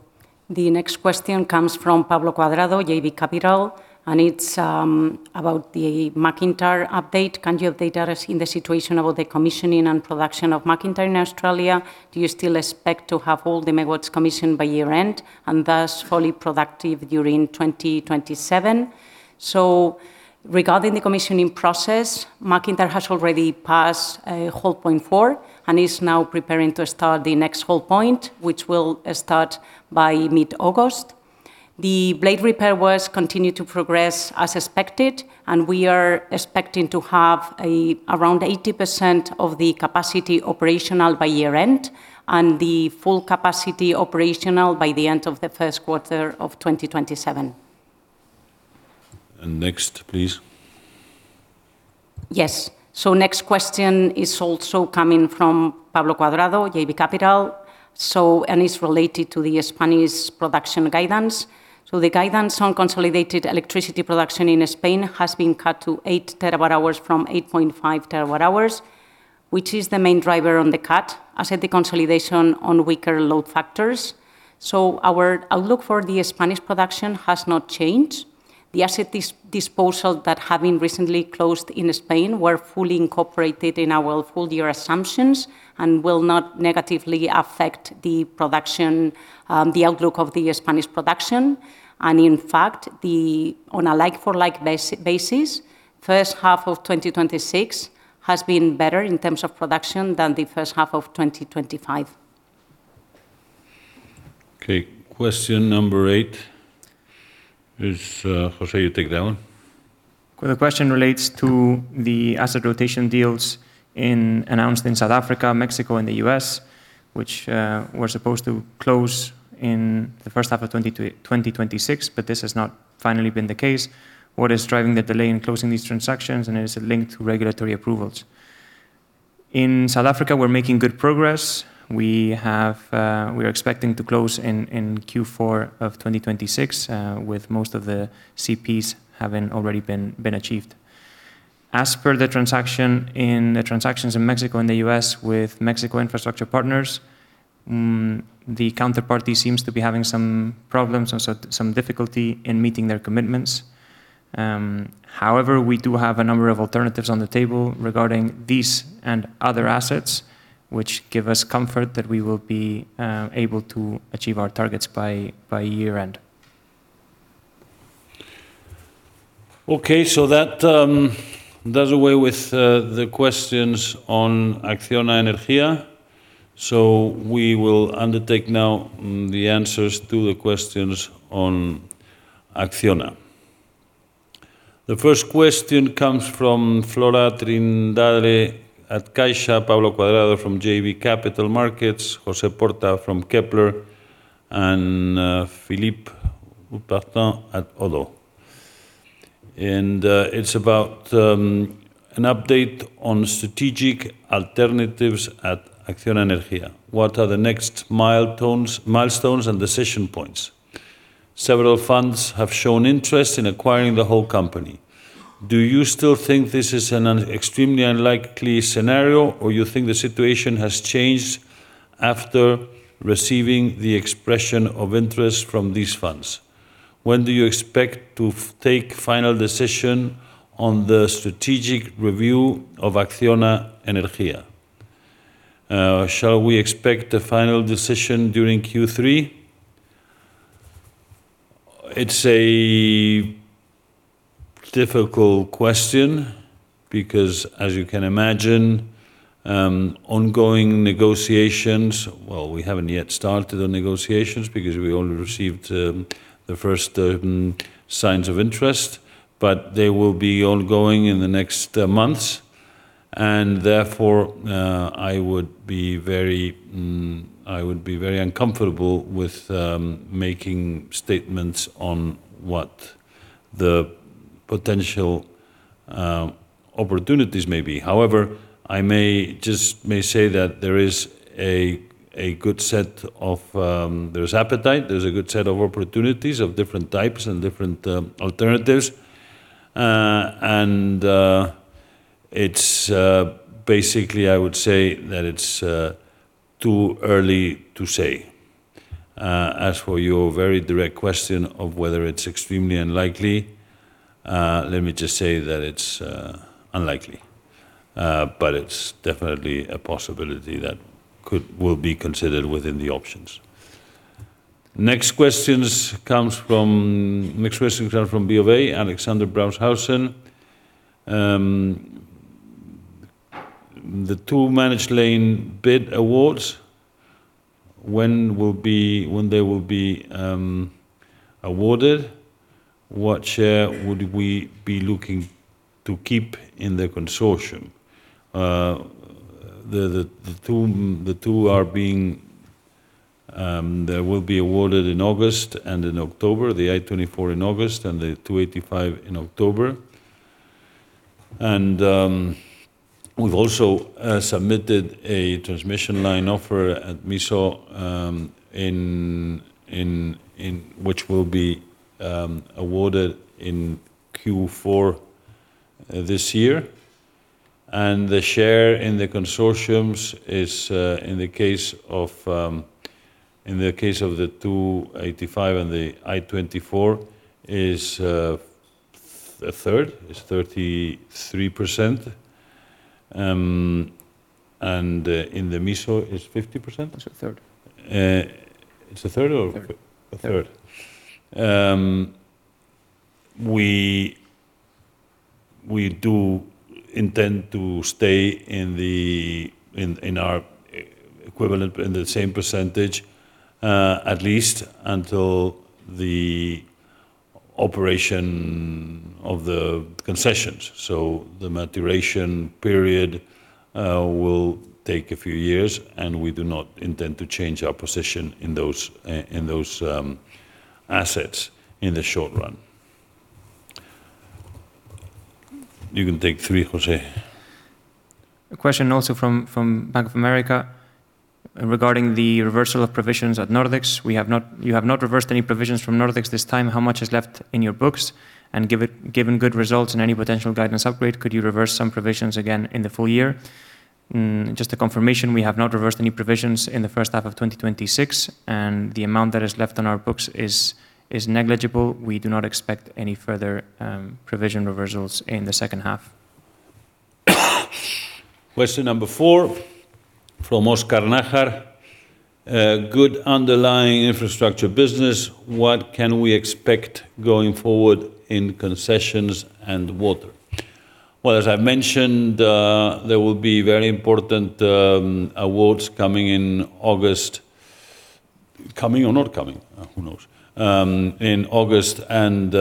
The next question comes from Pablo Cuadrado, JB Capital, and it's about the MacIntyre update. Can you update us in the situation about the commissioning and production of MacIntyre in Australia? Do you still expect to have all the megawatts commissioned by year-end and thus fully productive during 2027? Regarding the commissioning process, MacIntyre has already passed hold point four and is now preparing to start the next hold point, which will start by mid-August. The blade repair works continue to progress as expected, and we are expecting to have around 80% of the capacity operational by year-end, and the full capacity operational by the end of the first quarter of 2027. Next, please. Yes. Next question is also coming from Pablo Cuadrado, JB Capital. It is related to the Spanish production guidance. The guidance on consolidated electricity production in Spain has been cut to 8 TWh from 8.5 TWh, which is the main driver on the cut asset deconsolidation on weaker load factors. Our outlook for the Spanish production has not changed. The asset disposal that have been recently closed in Spain were fully incorporated in our full year assumptions and will not negatively affect the outlook of the Spanish production. In fact, on a like-for-like basis, first half of 2026 has been better in terms of production than the first half of 2025. Okay. Question number eight. José, you take that one. The question relates to the asset rotation deals announced in South Africa, Mexico, and the U.S., which were supposed to close in the first half of 2026, but this has not finally been the case. What is driving the delay in closing these transactions, and is it linked to regulatory approvals? In South Africa, we are making good progress. We are expecting to close in Q4 of 2026, with most of the CPs having already been achieved. As per the transactions in Mexico and the U.S. with Mexico Infrastructure Partners, the counterparty seems to be having some problems and some difficulty in meeting their commitments. However, we do have a number of alternatives on the table regarding these and other assets, which give us comfort that we will be able to achieve our targets by year-end. Okay. That does away with the questions on ACCIONA Energía. We will undertake now the answers to the questions on ACCIONA. The first question comes from Flora Trindade at CaixaBank, Pablo Cuadrado from JB Capital Markets, José Porta from Kepler, and Philippe Ourpatian at ODDO. It is about an update on strategic alternatives at ACCIONA Energía. What are the next milestones and decision points? Several funds have shown interest in acquiring the whole company. Do you still think this is an extremely unlikely scenario, or you think the situation has changed after receiving the expression of interest from these funds? When do you expect to take final decision on the strategic review of ACCIONA Energía? Shall we expect a final decision during Q3? It's a difficult question because, as you can imagine, ongoing negotiations, well, we haven't yet started the negotiations because we only received the first signs of interest, but they will be ongoing in the next months. Therefore, I would be very uncomfortable with making statements on what the potential opportunities may be. However, I may say that there's appetite, there's a good set of opportunities of different types and different alternatives. Basically, I would say that it's too early to say. As for your very direct question of whether it's extremely unlikely, let me just say that it's unlikely, but it's definitely a possibility that will be considered within the options. Next questions comes from BofA, Alexandre Roncier. The two managed lane bid awards, when they will be awarded, what share would we be looking to keep in the consortium? The two, they will be awarded in August and in October. The I-24 in August and the I-285 in October. We've also submitted a transmission line offer at MISO, which will be awarded in Q4 this year. The share in the consortiums, in the case of the I-285 and the I-24, is a third. It's 33%. In the MISO, it's 50%? It's a third. It's a third. Third. A third. We do intend to stay in the same percentage, at least until the operation of the concessions. The maturation period will take a few years, and we do not intend to change our position in those assets in the short run. You can take three, José. A question also from Bank of America regarding the reversal of provisions at Nordex. You have not reversed any provisions from Nordex this time. How much is left in your books? Given good results and any potential guidance upgrade, could you reverse some provisions again in the full year? Just a confirmation, we have not reversed any provisions in the first half of 2026, and the amount that is left on our books is negligible. We do not expect any further provision reversals in the second half. Question number four from Óscar Nájar. Good underlying infrastructure business. What can we expect going forward in concessions and water? Well, as I've mentioned, there will be very important awards coming in August. Coming or not coming? Who knows? In August and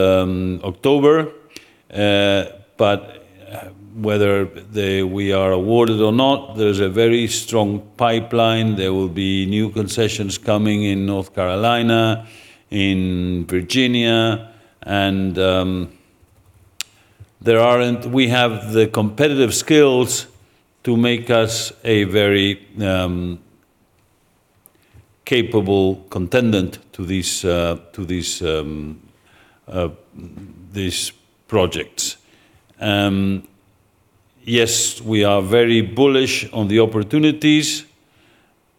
October. Whether we are awarded or not, there's a very strong pipeline. There will be new concessions coming in North Carolina, in Virginia, and we have the competitive skills to make us a very capable contender to these projects. Yes, we are very bullish on the opportunities,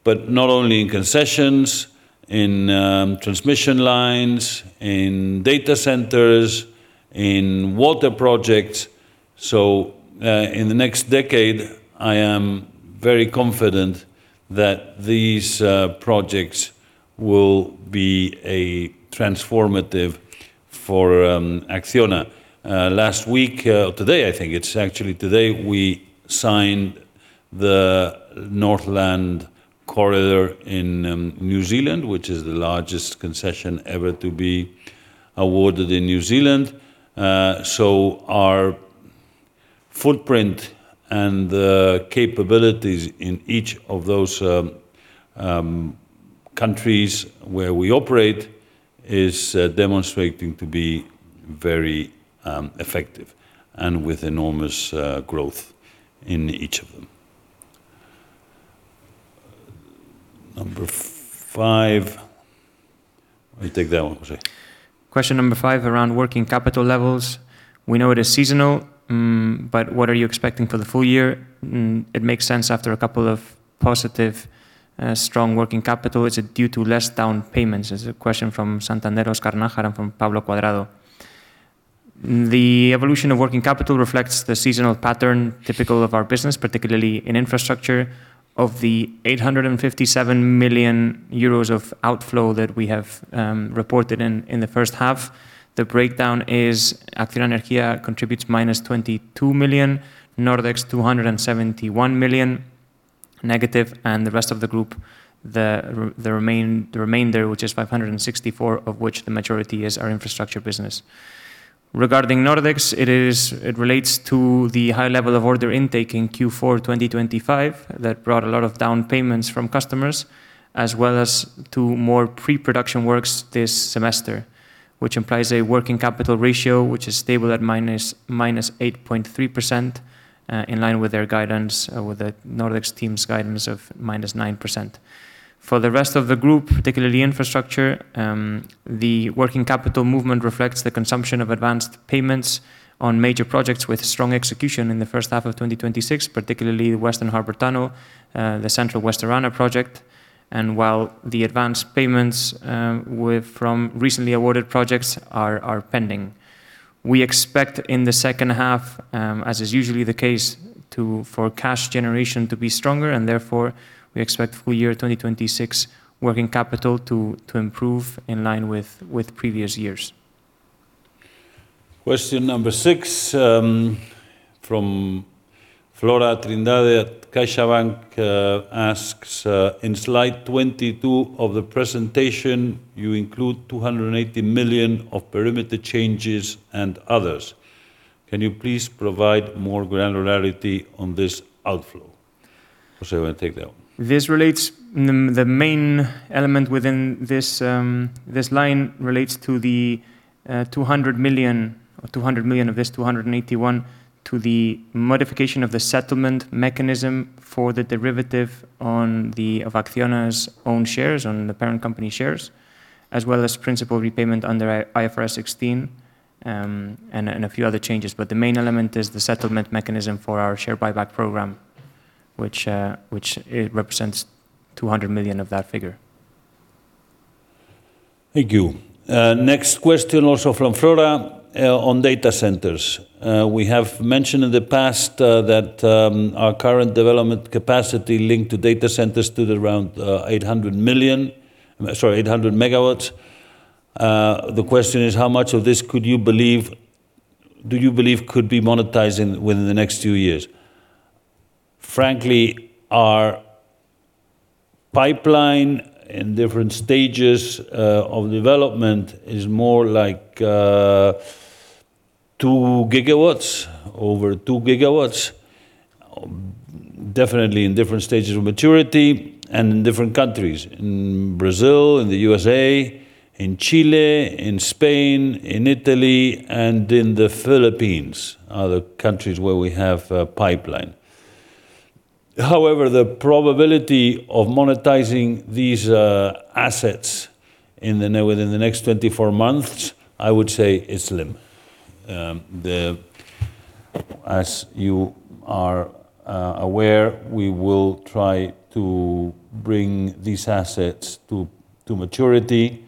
but not only in concessions, in transmission lines, in data centers, in water projects. In the next decade, I am very confident that these projects will be transformative for ACCIONA. Last week, or today, I think it's actually today, we signed the Northland Corridor in New Zealand, which is the largest concession ever to be awarded in New Zealand. Our footprint and the capabilities in each of those countries where we operate is demonstrating to be very effective and with enormous growth in each of them. Number five. You take that one, José. Question number five around working capital levels. We know it is seasonal, but what are you expecting for the full year? It makes sense after a couple of positive, strong working capital. Is it due to less down payments? It's a question from Santander, Óscar Nájar, and from Pablo Cuadrado. The evolution of working capital reflects the seasonal pattern typical of our business, particularly in infrastructure. Of the 857 million euros of outflow that we have reported in the first half, the breakdown is ACCIONA Energía contributes -22 million, Nordex 271 million-, and the rest of the group, the remainder, which is 564 million, of which the majority is our infrastructure business. Regarding Nordex, it relates to the high level of order intake in Q4 2025 that brought a lot of down payments from customers, as well as to more pre-production works this semester, which implies a working capital ratio which is stable at -8.3%, in line with their guidance, with the Nordex team's guidance of -9%. For the rest of the group, particularly infrastructure, the working capital movement reflects the consumption of advanced payments on major projects with strong execution in the first half of 2026, particularly Western Harbour Tunnel, the Central-West Orana project, while the advanced payments from recently awarded projects are pending. We expect in the second half, as is usually the case, for cash generation to be stronger, therefore, we expect full year 2026 working capital to improve in line with previous years. Question number six from Flora Trindade at CaixaBank asks, "In slide 22 of the presentation, you include 280 million of perimeter changes and others. Can you please provide more granularity on this outflow?" José, you want to take that one. The main element within this line relates to the 200 million of this 281 million to the modification of the settlement mechanism for the derivative on ACCIONA's own shares, on the parent company shares, as well as principal repayment under IFRS 16 and a few other changes. The main element is the settlement mechanism for our share buyback program, which represents 200 million of that figure. Thank you. Next question, also from Flora, on data centers. We have mentioned in the past that our current development capacity linked to data centers stood around 800 MW. The question is: how much of this do you believe could be monetized within the next two years? Frankly, our pipeline in different stages of development is more like over 2 GW. Definitely in different stages of maturity and in different countries. In Brazil, in the USA, in Chile, in Spain, in Italy, and in the Philippines are the countries where we have a pipeline. However, the probability of monetizing these assets within the next 24 months, I would say is slim. As you are aware, we will try to bring these assets to maturity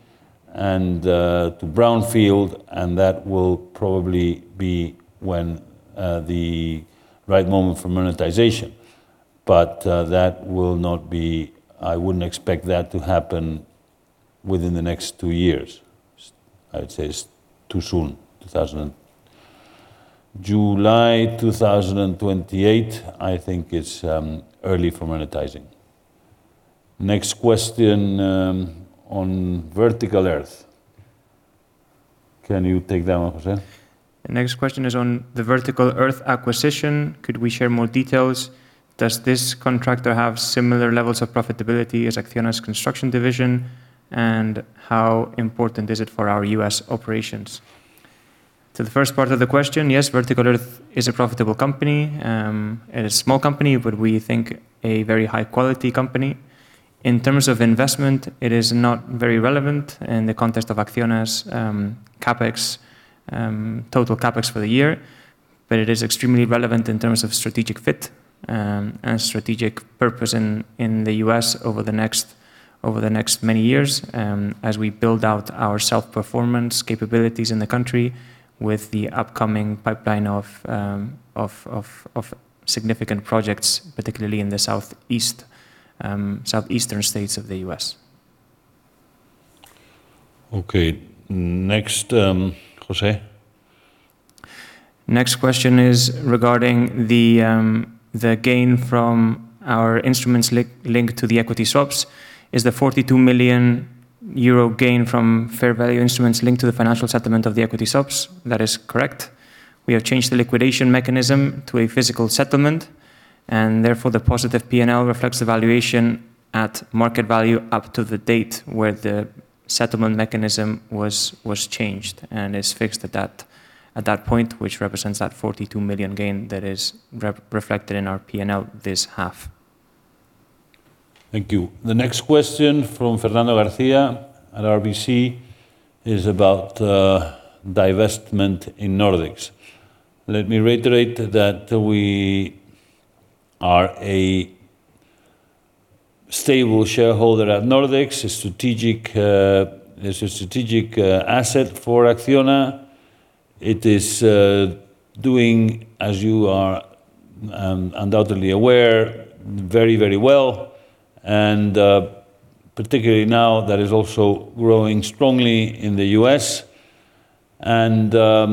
and to brownfield, and that will probably be the right moment for monetization. I wouldn't expect that to happen within the next two years. I would say it's too soon. July 2028, I think it's early for monetizing. Next question on Vertical Earth. Can you take that one, José? The next question is on the Vertical Earth acquisition. Could we share more details? Does this contractor have similar levels of profitability as ACCIONA's construction division? How important is it for our U.S. operations? To the first part of the question, yes, Vertical Earth is a profitable company. It is small company, but we think a very high-quality company. In terms of investment, it is not very relevant in the context of ACCIONA's total CapEx for the year, but it is extremely relevant in terms of strategic fit and strategic purpose in the U.S. over the next many years, as we build out our self-performance capabilities in the country with the upcoming pipeline of significant projects, particularly in the southeastern states of the U.S. Okay. Next, José. Next question is regarding the gain from our instruments linked to the equity swaps. Is the 42 million euro gain from fair value instruments linked to the financial settlement of the equity swaps? That is correct. Therefore, the positive P&L reflects the valuation at market value up to the date where the settlement mechanism was changed and is fixed at that point, which represents that 42 million gain that is reflected in our P&L this half. Thank you. The next question from Fernando García at RBC is about divestment in Nordex. Let me reiterate that we are a stable shareholder at Nordex. It's a strategic asset for ACCIONA. It is doing, as you are undoubtedly aware, very well, particularly now that it's also growing strongly in the U.S. Our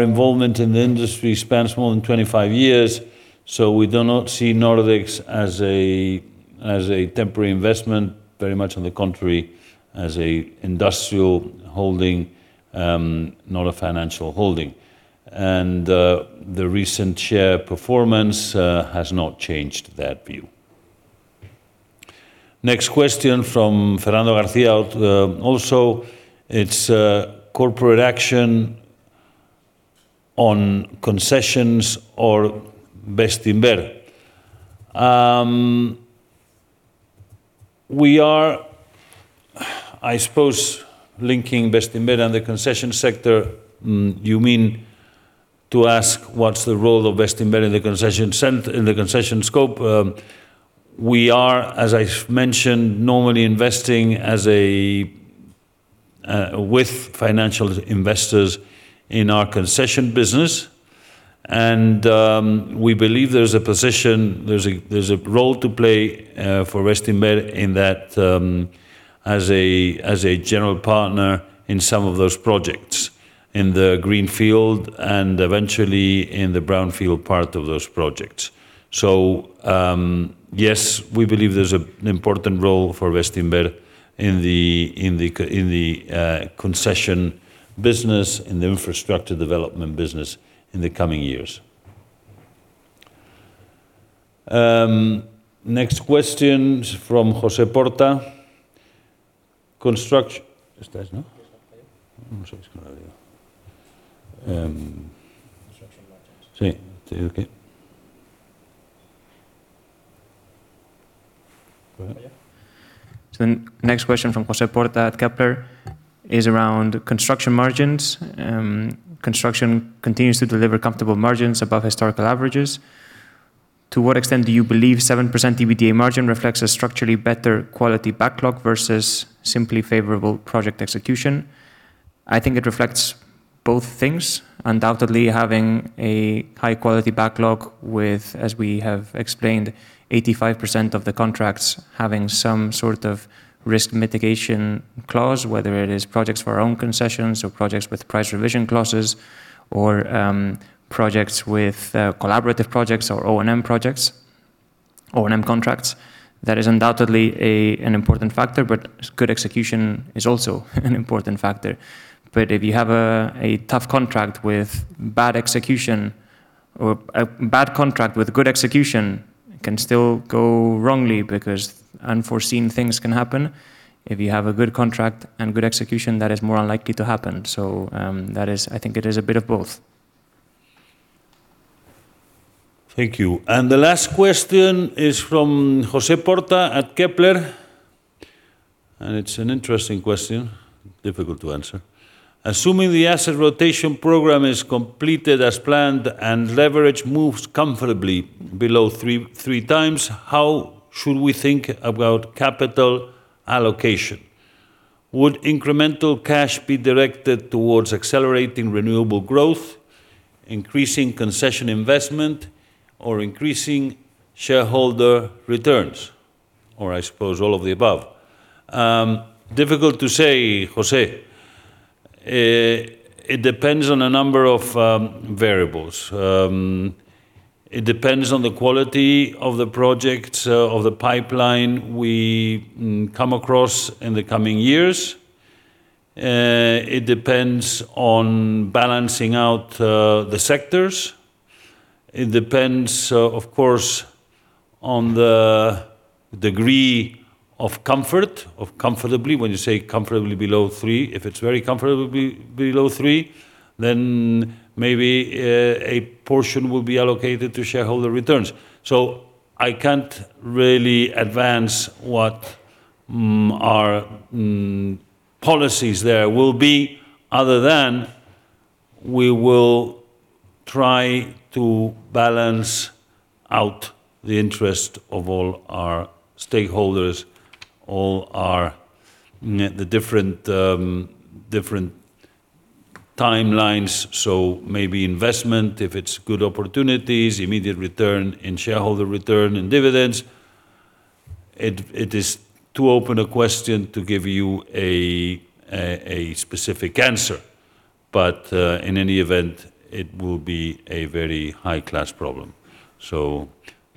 involvement in the industry spans more than 25 years, we do not see Nordex as a temporary investment, very much on the contrary, as a industrial holding, not a financial holding. The recent share performance has not changed that view. Next question from Fernando García, also it's corporate action on concessions or Bestinver. I suppose linking Bestinver and the concession sector, you mean to ask what's the role of Bestinver in the concession scope? We are, as I mentioned, normally investing with financial investors in our concession business. We believe there's a role to play for Bestinver in that as a general partner in some of those projects, in the greenfield and eventually in the brownfield part of those projects. Yes, we believe there's an important role for Bestinver in the concession business, in the infrastructure development business in the coming years. Next question from José Porta. The next question from José Porta at Kepler is around construction margins. Construction continues to deliver comfortable margins above historical averages. To what extent do you believe 7% EBITDA margin reflects a structurally better quality backlog versus simply favorable project execution? I think it reflects both things. Undoubtedly, having a high-quality backlog with, as we have explained, 85% of the contracts having some sort of risk mitigation clause, whether it is projects for our own concessions or projects with price revision clauses or projects with collaborative projects or O&M contracts, that is undoubtedly an important factor. Good execution is also an important factor. If you have a tough contract with bad execution, or a bad contract with good execution, it can still go wrongly because unforeseen things can happen. If you have a good contract and good execution, that is more unlikely to happen. I think it is a bit of both. Thank you. The last question is from José Porta at Kepler, it is an interesting question, difficult to answer. Assuming the asset rotation program is completed as planned and leverage moves comfortably below three times, how should we think about capital allocation? Would incremental cash be directed towards accelerating renewable growth, increasing concession investment, or increasing shareholder returns? I suppose all of the above. Difficult to say, José. It depends on a number of variables. It depends on the quality of the projects of the pipeline we come across in the coming years. It depends on balancing out the sectors. It depends, of course, on the degree of comfort, of comfortably, when you say comfortably below three. If it is very comfortably below three, then maybe a portion will be allocated to shareholder returns. I can't really advance what our policies there will be other than we will try to balance out the interest of all our stakeholders, all the different timelines. Maybe investment, if it is good opportunities, immediate return in shareholder return and dividends. It is too open a question to give you a specific answer. In any event, it will be a very high-class problem.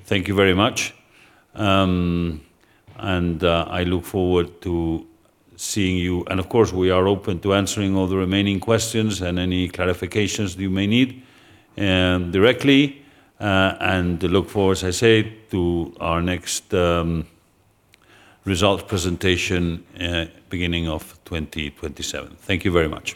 Thank you very much. I look forward to seeing you. Of course, we are open to answering all the remaining questions and any clarifications that you may need directly. Look forward, as I said, to our next result presentation beginning of 2027. Thank you very much.